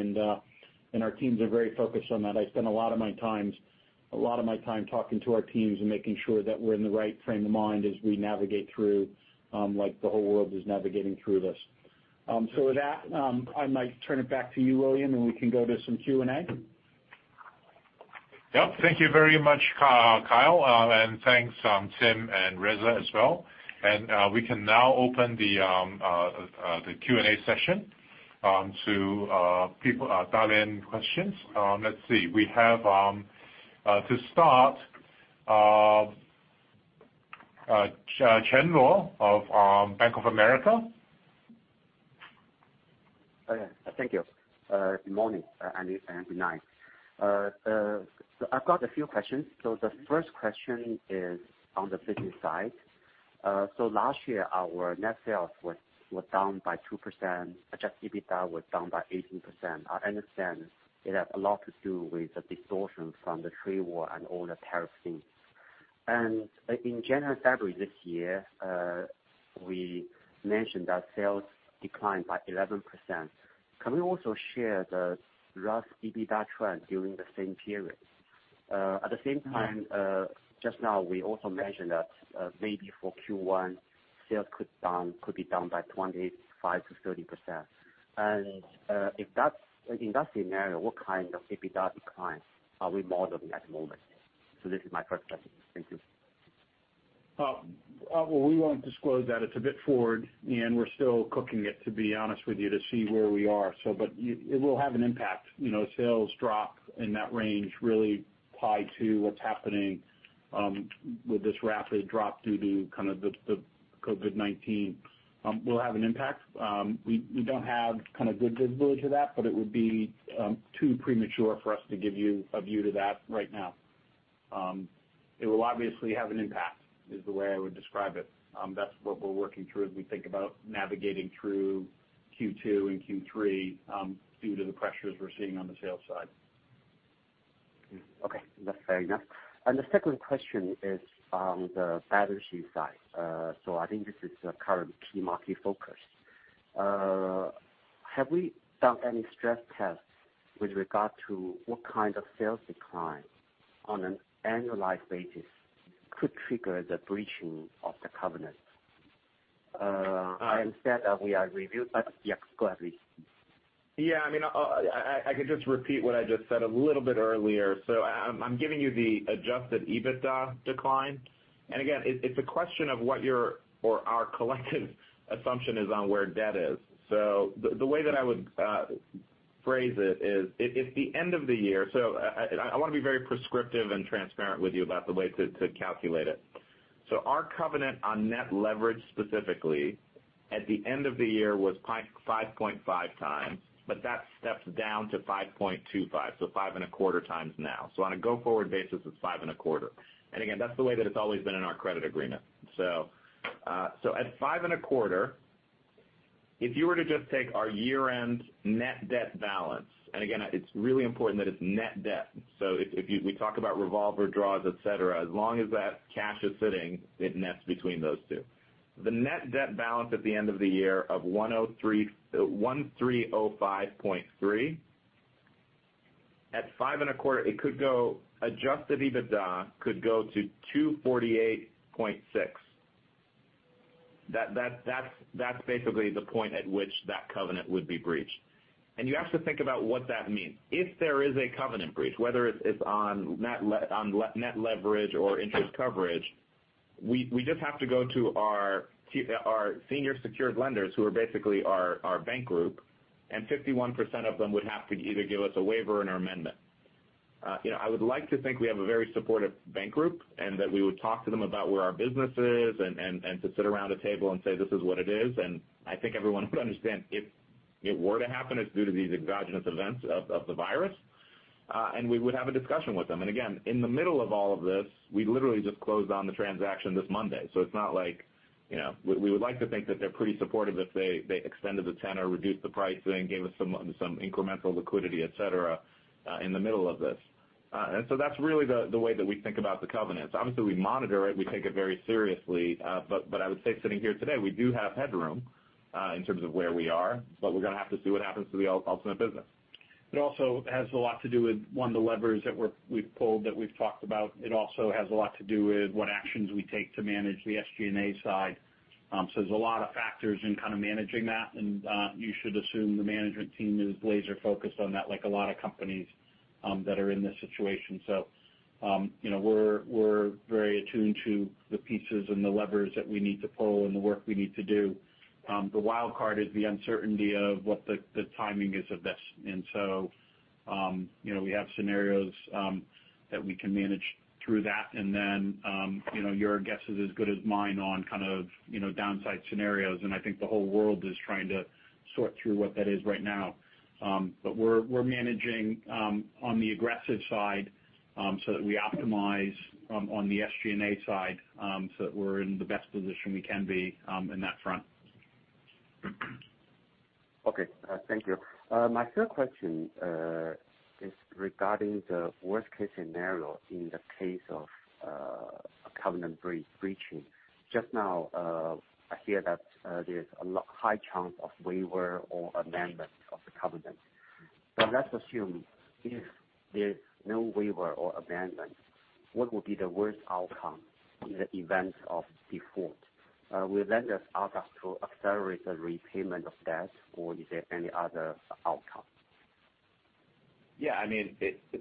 Our teams are very focused on that. I spend a lot of my time talking to our teams and making sure that we're in the right frame of mind as we navigate through like the whole world is navigating through this. With that, I might turn it back to you, William, and we can go to some Q&A. Yep. Thank you very much, Kyle, and thanks Tim and Reza as well. We can now open the Q&A session to dial-in questions. Let's see. We have to start, Chen Luo of Bank of America. Okay. Thank you. Good morning and good night. I've got a few questions. The first question is on the business side. Last year, our net sales were down by 2%. Adjusted EBITDA was down by 18%. I understand it had a lot to do with the distortion from the trade war and all the tariff things. In January, February this year, we mentioned that sales declined by 11%. Can we also share the rough EBITDA trend during the same period? At the same time just now we also mentioned that maybe for Q1, sales could be down by 25%-30%. In that scenario, what kind of EBITDA decline are we modeling at the moment? This is my first question. Thank you. We won't disclose that. It's a bit forward and we're still cooking it, to be honest with you, to see where we are. It will have an impact. Sales drop in that range really tied to what's happening with this rapid drop due to kind of the COVID-19 will have an impact. We don't have kind of good visibility to that, but it would be too premature for us to give you a view to that right now. It will obviously have an impact is the way I would describe it. That's what we're working through as we think about navigating through Q2 and Q3 due to the pressures we're seeing on the sales side. Okay. That's fair enough. The second question is on the battery side. I think this is the current key market focus. Have we done any stress tests with regard to what kind of sales decline on an annualized basis could trigger the breaching of the covenant? I understand that we are reviewed, but yeah, go ahead, please. I could just repeat what I just said a little bit earlier. I'm giving you the adjusted EBITDA decline. Again, it's a question of what your or our collective assumption is on where debt is. The way that I would phrase it is if the end of the year I want to be very prescriptive and transparent with you about the way to calculate it. Our covenant on net leverage specifically at the end of the year was 5.5x, but that steps down to 5.25x. 5.25x now. On a go-forward basis, it's five and a quarter. Again, that's the way that it's always been in our credit agreement. At 5.25x, if you were to just take our year-end net debt balance, and again, it's really important that it's net debt. If we talk about revolver draws, et cetera, as long as that cash is sitting, it nets between those two. The net debt balance at the end of the year of $1,305.3, at five and a quarter, adjusted EBITDA could go to $248.6. That's basically the point at which that covenant would be breached. You have to think about what that means. If there is a covenant breach, whether it's on net leverage or interest coverage, we just have to go to our senior secured lenders, who are basically our bank group, and 51% of them would have to either give us a waiver and an amendment. I would like to think we have a very supportive bank group and that we would talk to them about where our business is and to sit around a table and say, This is what it is. I think everyone would understand if it were to happen, it's due to these exogenous events of the virus. We would have a discussion with them. Again, in the middle of all of this, we literally just closed on the transaction this Monday. We would like to think that they're pretty supportive if they extended the tenor, reduced the pricing, gave us some incremental liquidity, et cetera, in the middle of this. That's really the way that we think about the covenants. Obviously, we monitor it, we take it very seriously. I would say sitting here today, we do have headroom in terms of where we are, but we're going to have to see what happens to the ultimate business. It also has a lot to do with, one, the levers that we've pulled, that we've talked about. It also has a lot to do with what actions we take to manage the SG&A side. There's a lot of factors in kind of managing that. You should assume the management team is laser-focused on that, like a lot of companies that are in this situation. We're very attuned to the pieces and the levers that we need to pull and the work we need to do. The wild card is the uncertainty of what the timing is of this. We have scenarios that we can manage through that. Your guess is as good as mine on downside scenarios, and I think the whole world is trying to sort through what that is right now. We're managing on the aggressive side, so that we optimize on the SG&A side, so that we're in the best position we can be in that front. Okay. Thank you. My third question is regarding the worst-case scenario in the case of a covenant breaching. Just now, I hear that there's a high chance of waiver or amendment of the covenant. Let's assume if there's no waiver or amendment, what would be the worst outcome in the event of default? Will lenders ask us to accelerate the repayment of debt, or is there any other outcome? Yeah.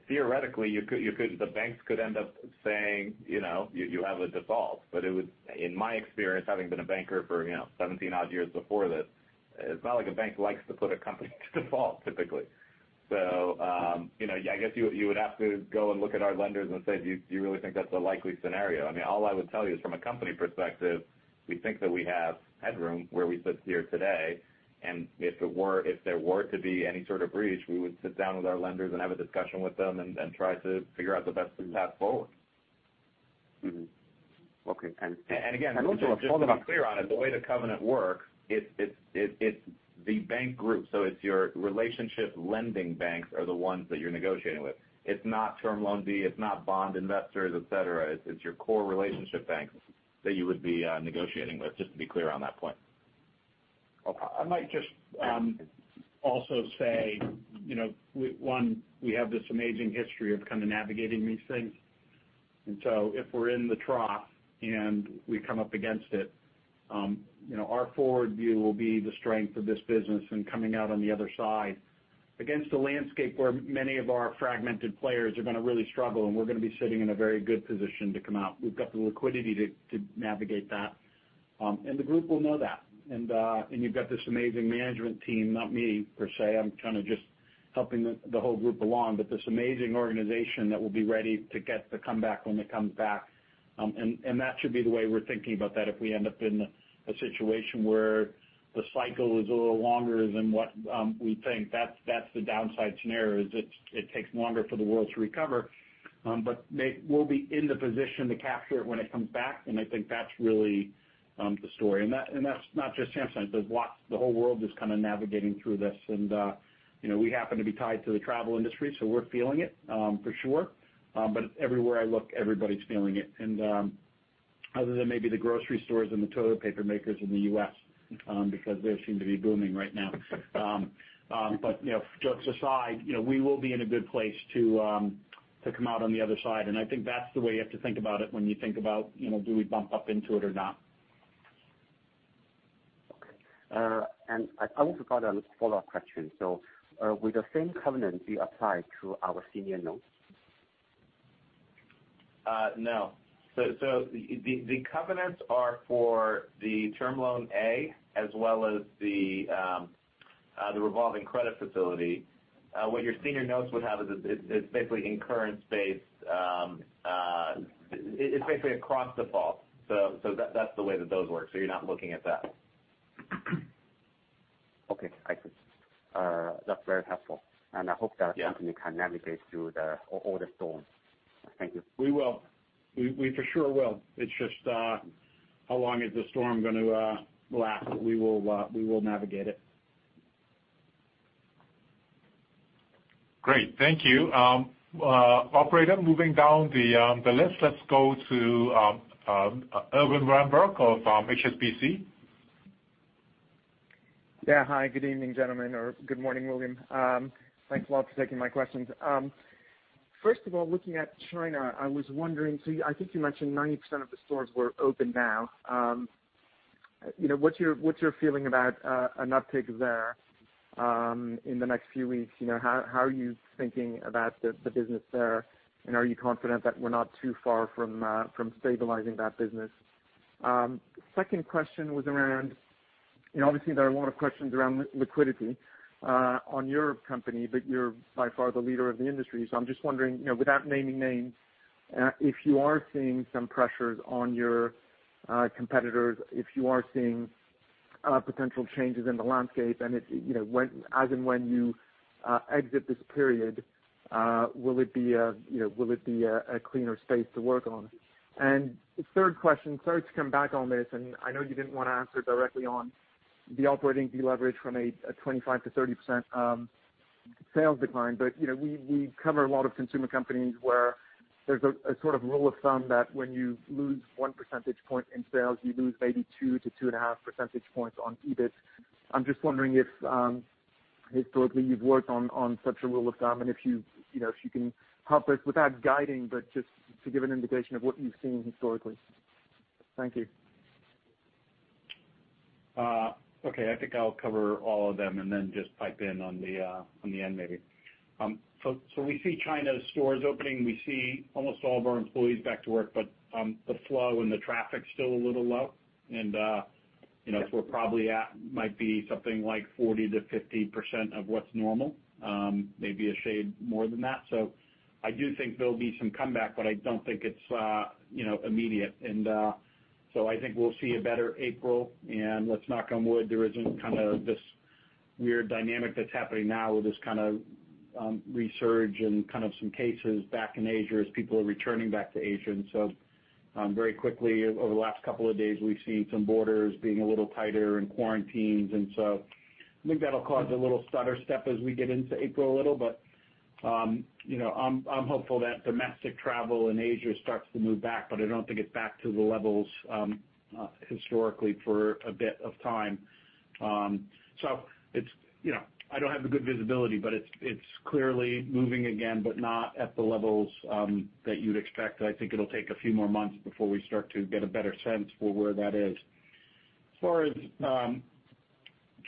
Theoretically, the banks could end up saying, You have a default. In my experience, having been a banker for 17-odd years before this, it's not like a bank likes to put a company to default, typically. I guess you would have to go and look at our lenders and say, Do you really think that's a likely scenario? All I would tell you is from a company perspective, we think that we have headroom where we sit here today. If there were to be any sort of breach, we would sit down with our lenders and have a discussion with them and try to figure out the best path forward. Okay. Again, just to be clear on it, the way the covenant works, it's the bank group. It's your relationship lending banks are the ones that you're negotiating with. It's not term loan B, it's not bond investors, et cetera. It's your core relationship banks that you would be negotiating with, just to be clear on that point. I might just also say, one, we have this amazing history of kind of navigating these things. If we're in the trough and we come up against it, our forward view will be the strength of this business and coming out on the other side against a landscape where many of our fragmented players are going to really struggle, and we're going to be sitting in a very good position to come out. We've got the liquidity to navigate that. The group will know that. You've got this amazing management team, not me, per se, I'm kind of just helping the whole group along, but this amazing organization that will be ready to get the comeback when it comes back. That should be the way we're thinking about that if we end up in a situation where the cycle is a little longer than what we think. That's the downside scenario, is it takes longer for the world to recover. We'll be in the position to capture it when it comes back, and I think that's really the story. That's not just Samsonite. The whole world is kind of navigating through this, and we happen to be tied to the travel industry, so we're feeling it for sure. Everywhere I look, everybody's feeling it. Other than maybe the grocery stores and the toilet paper makers in the U.S., because they seem to be booming right now. Jokes aside, we will be in a good place to come out on the other side, and I think that's the way you have to think about it when you think about, do we bump up into it or not? Okay. I also got a follow-up question. Will the same covenant be applied to our senior notes? No. The covenants are for the term loan A as well as the revolving credit facility. What your senior notes would have is basically incurrence-based. It's basically across default. That's the way that those work. You're not looking at that. Okay. I see. That's very helpful. Yeah the company can navigate through all the storms. Thank you. We will. We for sure will. It's just how long is the storm going to last, but we will navigate it. Great. Thank you. Operator, moving down the list, let's go to Erwan Rambourg from HSBC. Hi, good evening, gentlemen, or good morning, William. Thanks a lot for taking my questions. First of all, looking at China, I was wondering, I think you mentioned 90% of the stores were open now. What's your feeling about an uptick there in the next few weeks? How are you thinking about the business there, are you confident that we're not too far from stabilizing that business? Second question was around, obviously, there are a lot of questions around liquidity on your company, you're by far the leader of the industry. I'm just wondering, without naming names, if you are seeing some pressures on your competitors, if you are seeing potential changes in the landscape, as and when you exit this period, will it be a cleaner space to work on? Third question, sorry to come back on this, and I know you didn't want to answer directly on the operating deleverage from a 25%-30% sales decline, but we cover a lot of consumer companies where there's a sort of rule of thumb that when you lose one percentage point in sales, you lose maybe 2 percentage points-2.5 percentage points on EBIT. I'm just wondering if historically you've worked on such a rule of thumb, and if you can help us, without guiding, but just to give an indication of what you've seen historically. Thank you. Okay. I think I will cover all of them and then just pipe in on the end, maybe. We see China stores opening. We see almost all of our employees back to work, but the flow and the traffic is still a little low. We are probably at might be something like 40%-50% of what is normal. Maybe a shade more than that. I do think there will be some comeback, but I do not think it is immediate. I think we will see a better April, and let us knock on wood. There is not kind of this weird dynamic that is happening now with this kind of resurge and kind of some cases back in Asia as people are returning back to Asia. Very quickly over the last couple of days, we have seen some borders being a little tighter and quarantines. I think that'll cause a little stutter step as we get into April a little, but I'm hopeful that domestic travel in Asia starts to move back, but I don't think it's back to the levels historically for a bit of time. I don't have the good visibility, but it's clearly moving again, but not at the levels that you'd expect. I think it'll take a few more months before we start to get a better sense for where that is. As far as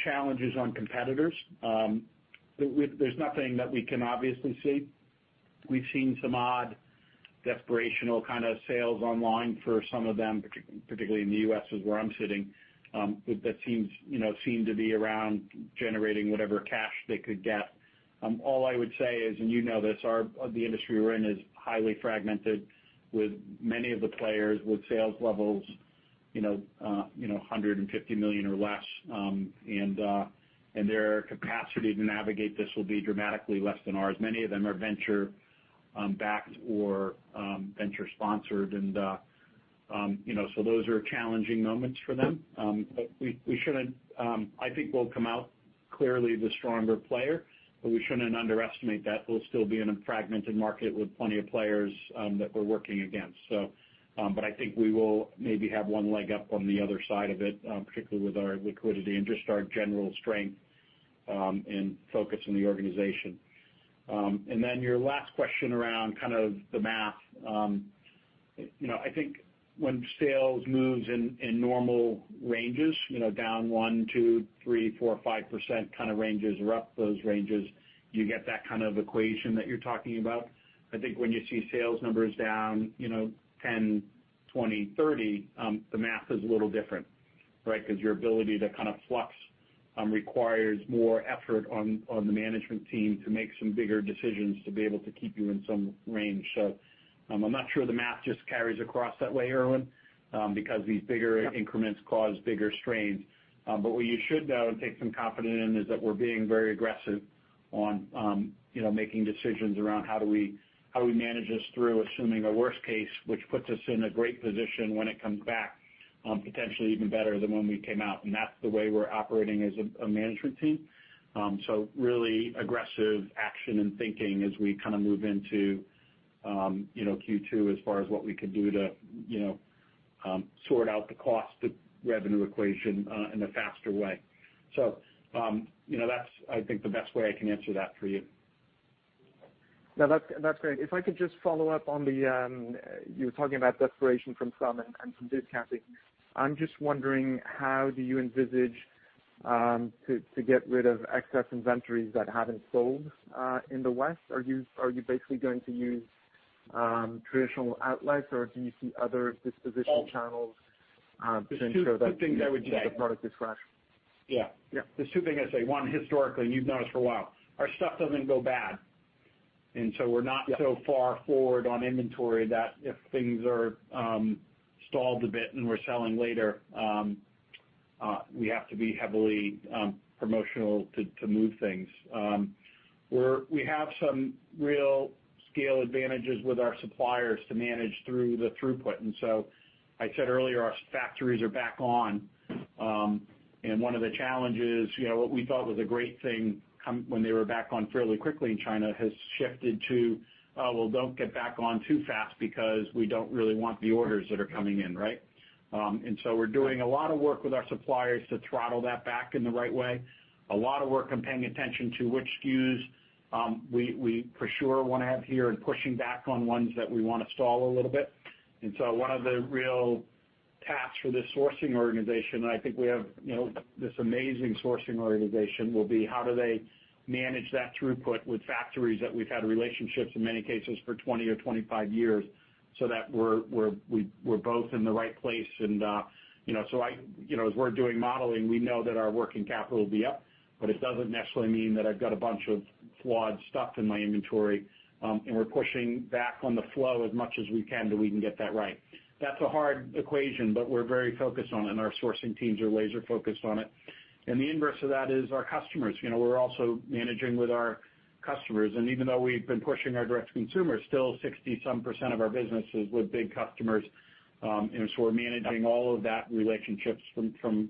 challenges on competitors, there's nothing that we can obviously see. We've seen some odd, desperational kind of sales online for some of them, particularly in the U.S., is where I'm sitting. That seem to be around generating whatever cash they could get. All I would say is, and you know this, the industry we're in is highly fragmented with many of the players with sales levels $150 million or less. Their capacity to navigate this will be dramatically less than ours. Many of them are venture backed or venture sponsored. Those are challenging moments for them. I think we'll come out clearly the stronger player, but we shouldn't underestimate that we'll still be in a fragmented market with plenty of players that we're working against. I think we will maybe have one leg up on the other side of it, particularly with our liquidity and just our general strength and focus in the organization. Your last question around kind of the math. I think when sales moves in normal ranges, down 1%, 2%, 3%, 4%, 5% kind of ranges or up those ranges, you get that kind of equation that you're talking about. I think when you see sales numbers down 10%, 20%, 30%, the math is a little different, right? Because your ability to kind of flux requires more effort on the management team to make some bigger decisions to be able to keep you in some range. I'm not sure the math just carries across that way, Erwan, because these bigger increments cause bigger strains. What you should, though, take some confidence in is that we're being very aggressive on making decisions around how do we manage this through assuming a worst case, which puts us in a great position when it comes back, potentially even better than when we came out. That's the way we're operating as a management team. Really aggressive action and thinking as we kind of move into Q2 as far as what we could do to sort out the cost to revenue equation in a faster way. That's, I think, the best way I can answer that for you. No, that's great. If I could just follow up, you were talking about desperation from some and some discounting. I'm just wondering how do you envisage to get rid of excess inventories that haven't sold in the West? Are you basically going to use traditional outlets, or do you see other disposition channels to ensure that? There's two things I would say. the product is fresh? Yeah. Yeah. There's two things I'd say. One, historically, and you've known us for a while, our stuff doesn't go bad. We're not so far forward on inventory that if things are stalled a bit and we're selling later, we have to be heavily promotional to move things. We have some real scale advantages with our suppliers to manage through the throughput. I said earlier, our factories are back on. One of the challenges, what we thought was a great thing when they were back on fairly quickly in China, has shifted to, oh, well, don't get back on too fast because we don't really want the orders that are coming in. Right? We're doing a lot of work with our suppliers to throttle that back in the right way. A lot of work and paying attention to which SKUs we for sure want to have here and pushing back on ones that we want to stall a little bit. One of the real tasks for this sourcing organization, I think we have this amazing sourcing organization, will be how do they manage that throughput with factories that we've had relationships, in many cases, for 20 or 25 years, so that we're both in the right place. As we're doing modeling, we know that our working capital will be up, but it doesn't necessarily mean that I've got a bunch of flawed stuff in my inventory. We're pushing back on the flow as much as we can so we can get that right. That's a hard equation, but we're very focused on it, and our sourcing teams are laser-focused on it. The inverse of that is our customers. We're also managing with our customers, and even though we've been pushing our direct consumer, still 60-some% of our business is with big customers. We're managing all of that relationships from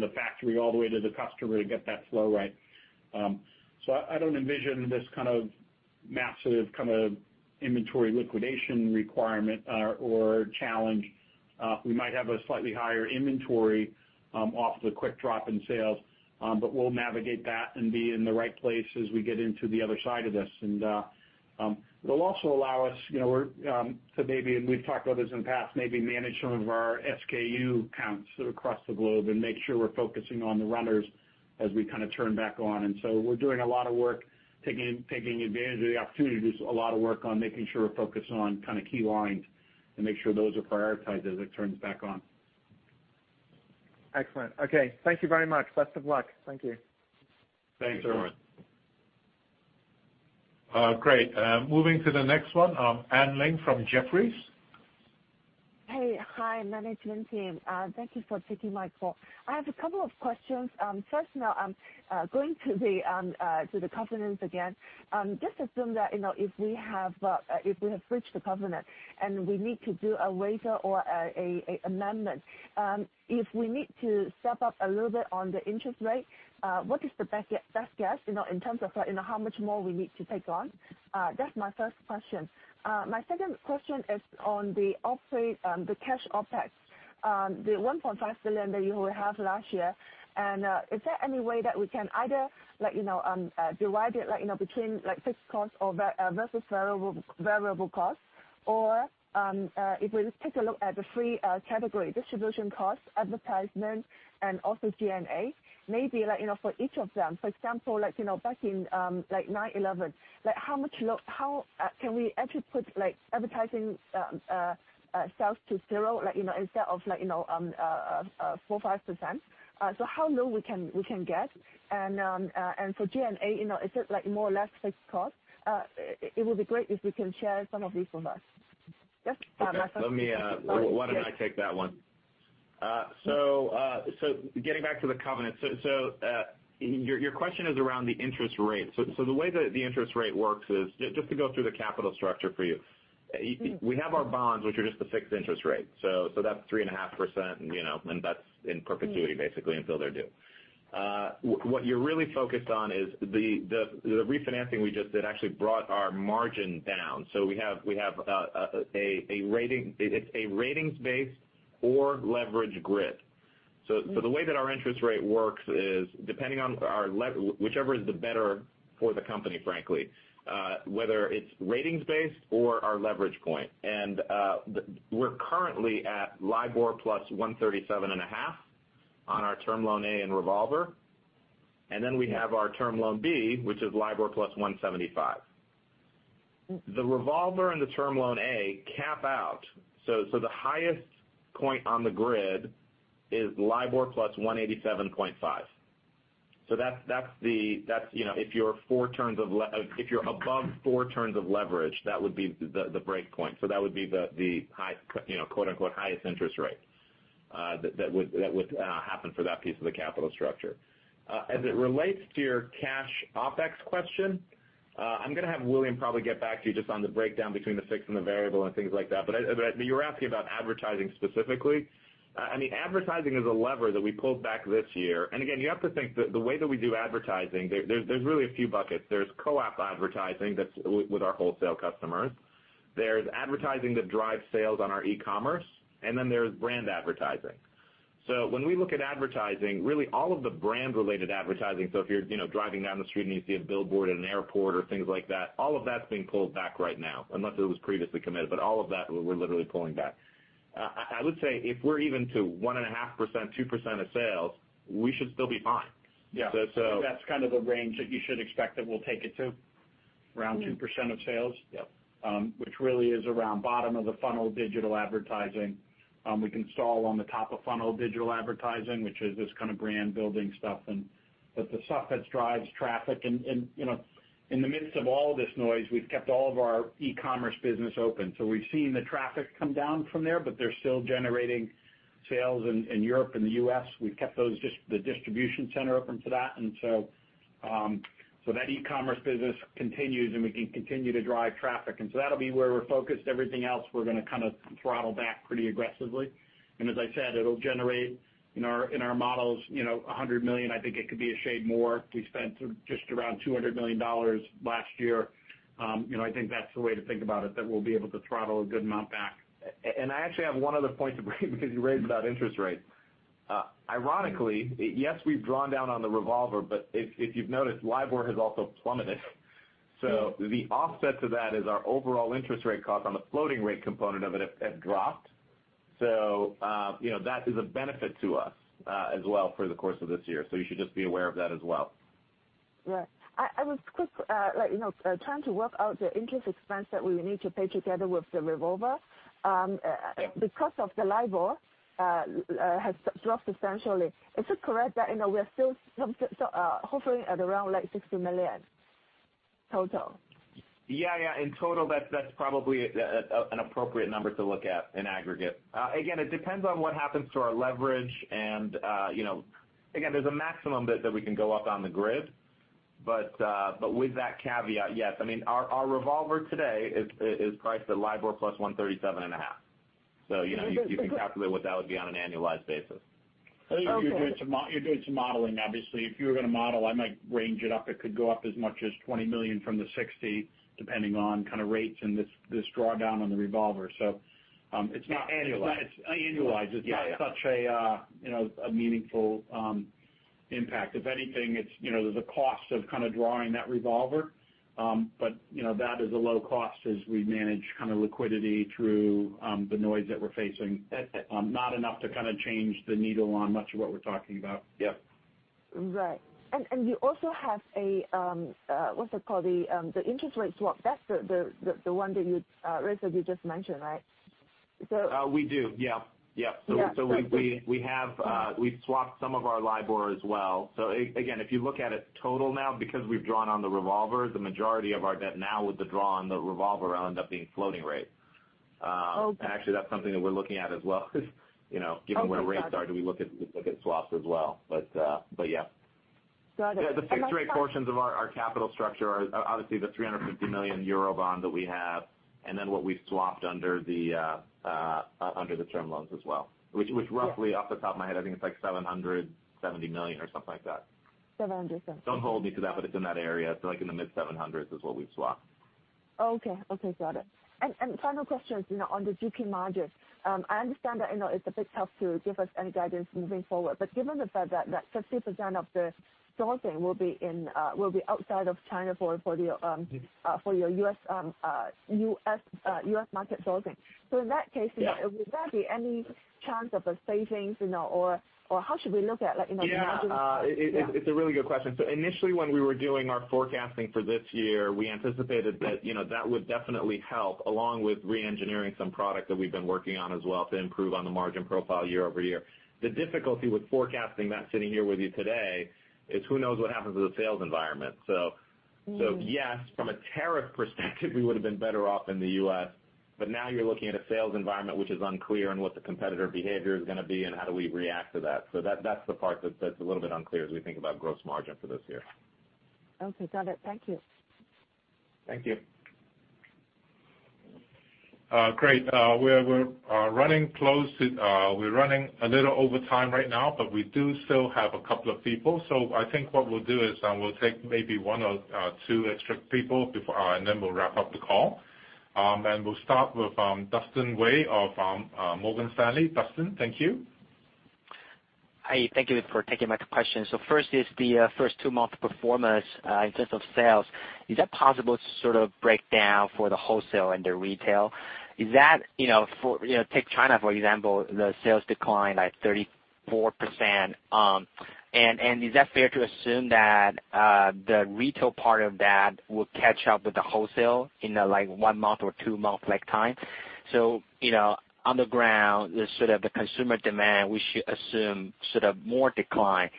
the factory all the way to the customer to get that flow right. I don't envision this kind of massive inventory liquidation requirement or challenge. We might have a slightly higher inventory off the quick drop in sales, but we'll navigate that and be in the right place as we get into the other side of this. It'll also allow us to maybe, and we've talked about this in the past, maybe manage some of our SKU counts across the globe and make sure we're focusing on the runners as we turn back on. We're doing a lot of work taking advantage of the opportunity. There's a lot of work on making sure we're focused on key lines and make sure those are prioritized as it turns back on. Excellent. Okay. Thank you very much. Best of luck. Thank you. Thanks, Erwan. Great. Moving to the next one, Anne Ling from Jefferies. Hi, management team. Thank you for taking my call. I have a couple of questions. First, now I'm going to the covenants again. Just assume that if we have reached the covenant and we need to do a waiver or an amendment. If we need to step up a little bit on the interest rate, what is the best guess in terms of how much more we need to take on? That's my first question. My second question is on the cash OpEx, the $1.5 billion that you have last year. Is there any way that we can either derive it between fixed cost versus variable cost? If we just take a look at the three category, distribution cost, advertisement, and also G&A, maybe for each of them. For example, back in 9/11, can we actually put advertising sales to 0 instead of 4%, 5%? How low we can get? For G&A, is it more or less fixed cost? It will be great if you can share some of this with us. That's my first question. Okay. Why don't I take that one? Getting back to the covenants. Your question is around the interest rate. The way that the interest rate works is, just to go through the capital structure for you. We have our bonds, which are just a fixed interest rate. That's 3.5%, and that's in perpetuity, basically, until they're due. What you're really focused on is the refinancing we just did actually brought our margin down. We have a ratings-based or leverage grid. The way that our interest rate works is whichever is the better for the company, frankly. Whether it's ratings based or our leverage point. We're currently at LIBOR plus 137.5 on our term loan A and revolver. We have our term loan B, which is LIBOR plus 175. The revolver and the term loan A cap out, the highest point on the grid is LIBOR plus 187.5. If you're above four turns of leverage, that would be the break point. That would be the highest interest rate that would happen for that piece of the capital structure. As it relates to your cash OpEx question, I'm gonna have William probably get back to you just on the breakdown between the fixed and the variable and things like that. You were asking about advertising specifically. Again, you have to think that the way that we do advertising, there's really a few buckets. There's co-op advertising, that's with our wholesale customers. There's advertising that drives sales on our e-commerce, there's brand advertising. When we look at advertising, really all of the brand-related advertising, so if you're driving down the street and you see a billboard in an airport or things like that, all of that's being pulled back right now, unless it was previously committed. All of that, we're literally pulling back. I would say if we're even to 1.5%, 2% of sales, we should still be fine. Yeah. I think that's the range that you should expect that we'll take it to. Around 2% of sales. Yep. Which really is around bottom of the funnel digital advertising. We can stall on the top of funnel digital advertising, which is this kind of brand building stuff. The stuff that drives traffic, and in the midst of all this noise, we've kept all of our e-commerce business open. We've seen the traffic come down from there, but they're still generating sales in Europe and the U.S. We've kept the distribution center open for that. That e-commerce business continues, and we can continue to drive traffic. That'll be where we're focused. Everything else, we're going to kind of throttle back pretty aggressively. As I said, it'll generate in our models, $100 million. I think it could be a shade more. We spent just around $200 million last year. I think that's the way to think about it, that we'll be able to throttle a good amount back. I actually have one other point to bring because you raised about interest rates. Ironically, yes, we've drawn down on the revolver, but if you've noticed, LIBOR has also plummeted. The offset to that is our overall interest rate cost on the floating rate component of it have dropped. That is a benefit to us, as well, for the course of this year. You should just be aware of that as well. Right. I was quick, trying to work out the interest expense that we need to pay together with the revolver. The cost of the LIBOR has dropped substantially. Is it correct that we are still hovering at around $60 million total? Yeah. In total, that's probably an appropriate number to look at in aggregate. Again, it depends on what happens to our leverage and again, there's a maximum bit that we can go up on the grid. With that caveat, yes, I mean, our revolver today is priced at LIBOR plus 137.5. You can calculate what that would be on an annualized basis. You're doing some modeling, obviously. If you were going to model, I might range it up. It could go up as much as $20 million from the $60 million, depending on rates and this drawdown on the revolver. It's not- Annualized. Annualized. It's not such a meaningful impact. If anything, there's a cost of drawing that revolver. That is a low cost as we manage liquidity through the noise that we're facing. Not enough to change the needle on much of what we're talking about. Yep. Right. You also have, what's it called? The interest rate swap. That's the one that you, Reza, you just mentioned, right? We do, yeah. Yeah. We've swapped some of our LIBOR as well. Again, if you look at it total now, because we've drawn on the revolver, the majority of our debt now with the draw on the revolver will end up being floating rate. Okay. Actually that's something that we're looking at as well, given where rates are. Okay, got it. do we look at swaps as well. Yeah. Got it. The fixed rate portions of our capital structure are obviously the 350 million euro bond that we have, and then what we swapped under the term loans as well. Which roughly, off the top of my head, I think it's like $770 million or something like that. 770. Don't hold me to that, but it's in that area. like in the mid-$700s is what we've swapped. Okay. Got it. Final question is on the GP margin. I understand that it's a bit tough to give us any guidance moving forward, but given the fact that 50% of the sourcing will be outside of China for your U.S. market sourcing. Yeah Would that be any chance of a savings, or how should we look at margin? It's a really good question. Initially, when we were doing our forecasting for this year, we anticipated that would definitely help, along with re-engineering some product that we've been working on as well to improve on the margin profile year-over-year. The difficulty with forecasting that sitting here with you today is who knows what happens to the sales environment. Yes, from a tariff perspective, we would've been better off in the U.S., but now you're looking at a sales environment which is unclear on what the competitor behavior is going to be and how do we react to that. That's the part that's a little bit unclear as we think about gross margin for this year. Okay, got it. Thank you. Thank you. Great. We're running a little over time right now, but we do still have a couple of people. I think what we'll do is we'll take maybe one or two extra people and then we'll wrap up the call. We'll start with Dustin Wei of Morgan Stanley. Dustin, thank you. Hi, thank you for taking my question. First is the first two month performance, in terms of sales. Is that possible to sort of break down for the wholesale and the retail? Take China, for example, the sales declined like 34%. Is that fair to assume that the retail part of that will catch up with the wholesale in one month or two month time? On the ground, the consumer demand, we should assume more decline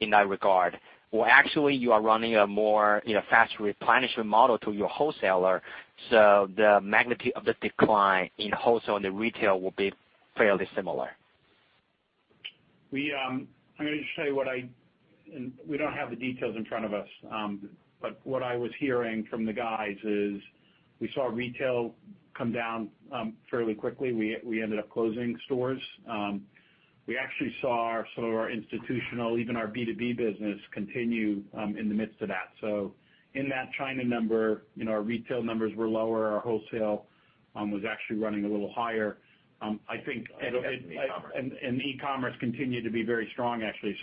in that regard. Actually, you are running a more fast replenishment model to your wholesaler, so the magnitude of the decline in wholesale and the retail will be fairly similar? Let me just tell you, we don't have the details in front of us. What I was hearing from the guys is we saw retail come down fairly quickly. We ended up closing stores. We actually saw some of our institutional, even our B2B business continue in the midst of that. In that China number, our retail numbers were lower. Our wholesale was actually running a little higher. E-commerce continued to be very strong, actually.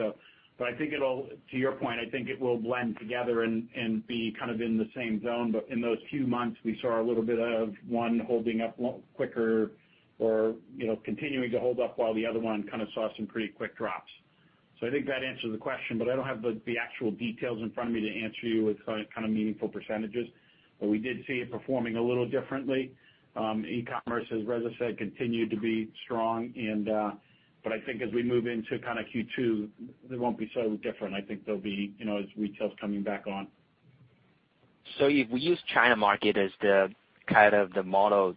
To your point, I think it will blend together and be kind of in the same zone. In those few months, we saw a little bit of one holding up quicker or continuing to hold up while the other one kind of saw some pretty quick drops. I think that answers the question, but I don't have the actual details in front of me to answer you with kind of meaningful percentages. We did see it performing a little differently. E-commerce, as Reza said, continued to be strong. I think as we move into Q2, they won't be so different. I think as retail's coming back on. If we use China market as the model,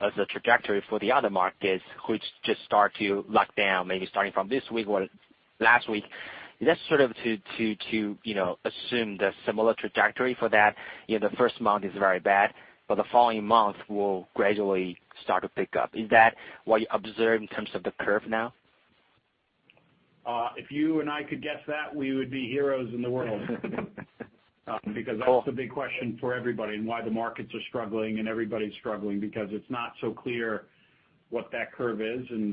as a trajectory for the other markets which just start to lock down, maybe starting from this week or last week, that's sort of to assume the similar trajectory for that. The first month is very bad, but the following month will gradually start to pick up. Is that what you observe in terms of the curve now? If you and I could guess that, we would be heroes in the world. That's the big question for everybody and why the markets are struggling and everybody's struggling, because it's not so clear what that curve is and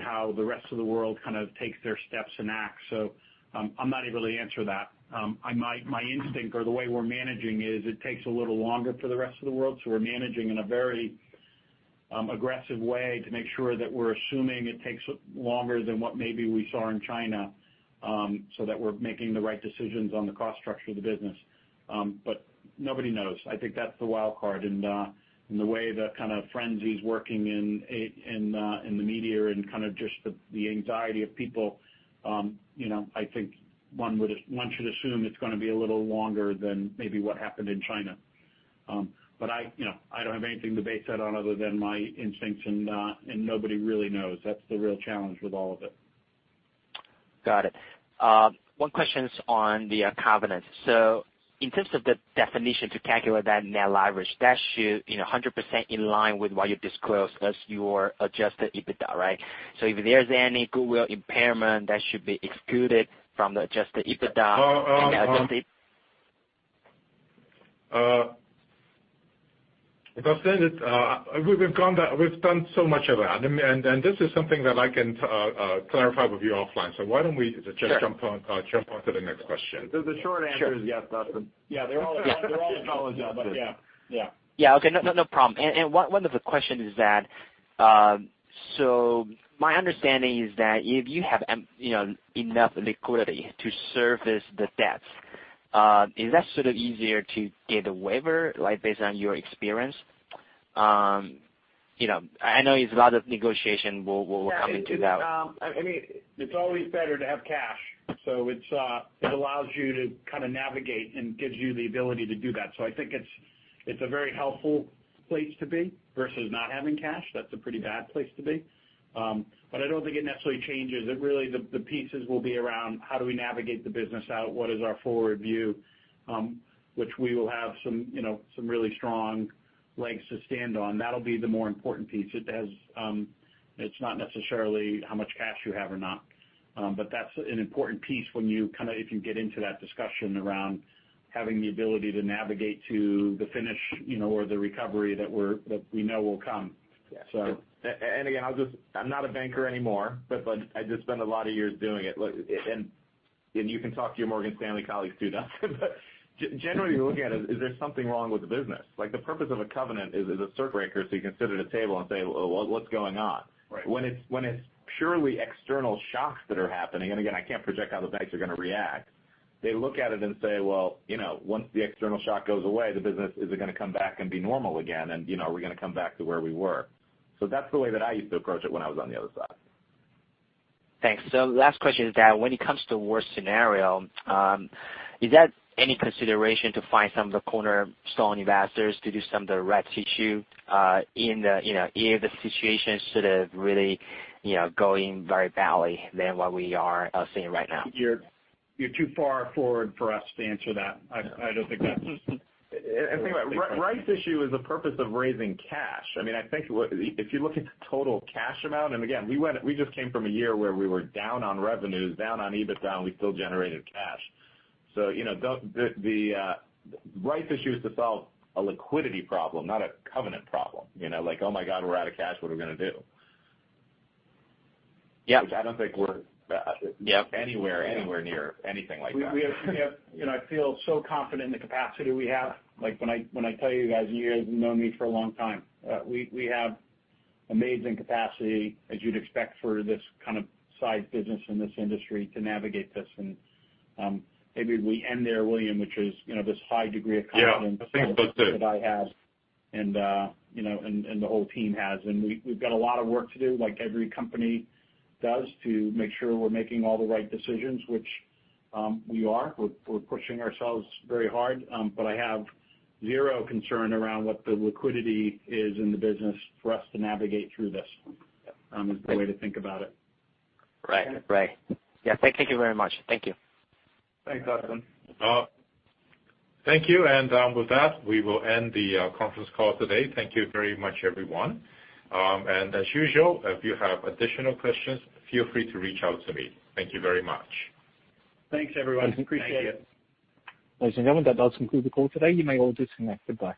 how the rest of the world kind of takes their steps and acts. I'm not able to answer that. My instinct or the way we're managing is, it takes a little longer for the rest of the world, so we're managing in a very aggressive way to make sure that we're assuming it takes longer than what maybe we saw in China, so that we're making the right decisions on the cost structure of the business. Nobody knows. I think that's the wild card. The way the kind of frenzy is working in the media and just the anxiety of people, I think one should assume it's going to be a little longer than maybe what happened in China. I don't have anything to base that on other than my instincts, and nobody really knows. That's the real challenge with all of it. Got it. One question on the covenants. In terms of the definition to calculate that net leverage, that should, 100% in line with what you disclosed as your adjusted EBITDA, right? If there's any goodwill impairment, that should be excluded from the adjusted EBITDA. Dustin, we've done so much of that, and this is something that I can clarify with you offline. Sure jump onto the next question? The short answer is yes, Dustin. Yeah, [they're all in college now]. Yeah. Yeah, okay. No problem. One other question is that, my understanding is that if you have enough liquidity to service the debts, is that sort of easier to get a waiver, based on your experience? I know it's a lot of negotiation. We'll come into that. It's always better to have cash, it allows you to navigate and gives you the ability to do that. I think it's a very helpful place to be, versus not having cash. That's a pretty bad place to be. I don't think it necessarily changes. The pieces will be around how do we navigate the business out? What is our forward view? Which we will have some really strong legs to stand on. That'll be the more important piece. It's not necessarily how much cash you have or not. That's an important piece when you can get into that discussion around having the ability to navigate to the finish, or the recovery that we know will come. Again, I'm not a banker anymore, but I did spend a lot of years doing it. You can talk to your Morgan Stanley colleagues too, Dustin. Generally, when you look at it, is there something wrong with the business? Like the purpose of a covenant is a circuit breaker, so you can sit at a table and say, Well, what's going on? Right. When it's purely external shocks that are happening, again, I can't project how the banks are going to react. They look at it and say, Well, once the external shock goes away, the business, is it going to come back and be normal again? Are we going to come back to where we were? That's the way that I used to approach it when I was on the other side. Thanks. The last question is that when it comes to worst scenario, is there any consideration to find some of the cornerstone investors to do some of the rights issue if the situation sort of really going very badly than what we are seeing right now? You're too far forward for us to answer that. Think about it, rights issue is the purpose of raising cash. I think if you look at the total cash amount, and again, we just came from a year where we were down on revenues, down on EBITDA, and we still generated cash. The rights issue is to solve a liquidity problem, not a covenant problem. Like, Oh my God, we're out of cash. What are we going to do? Yeah. Which I don't think we're anywhere near anything like that. I feel so confident in the capacity we have. When I tell you guys, and you guys have known me for a long time, we have amazing capacity, as you'd expect for this kind of size business in this industry to navigate this. Maybe we end there, William. Yeah. I think that's it. that I have, and the whole team has. We've got a lot of work to do, like every company does, to make sure we're making all the right decisions, which we are. We're pushing ourselves very hard. I have zero concern around what the liquidity is in the business for us to navigate through this. Yeah. Is the way to think about it. Right. Yeah. Thank you very much. Thank you. Thanks, Dustin. Thank you. With that, we will end the conference call today. Thank you very much, everyone. As usual, if you have additional questions, feel free to reach out to me. Thank you very much. Thanks, everyone. Appreciate it. Thanks. Ladies and gentlemen, that does conclude the call today. You may all disconnect. Goodbye.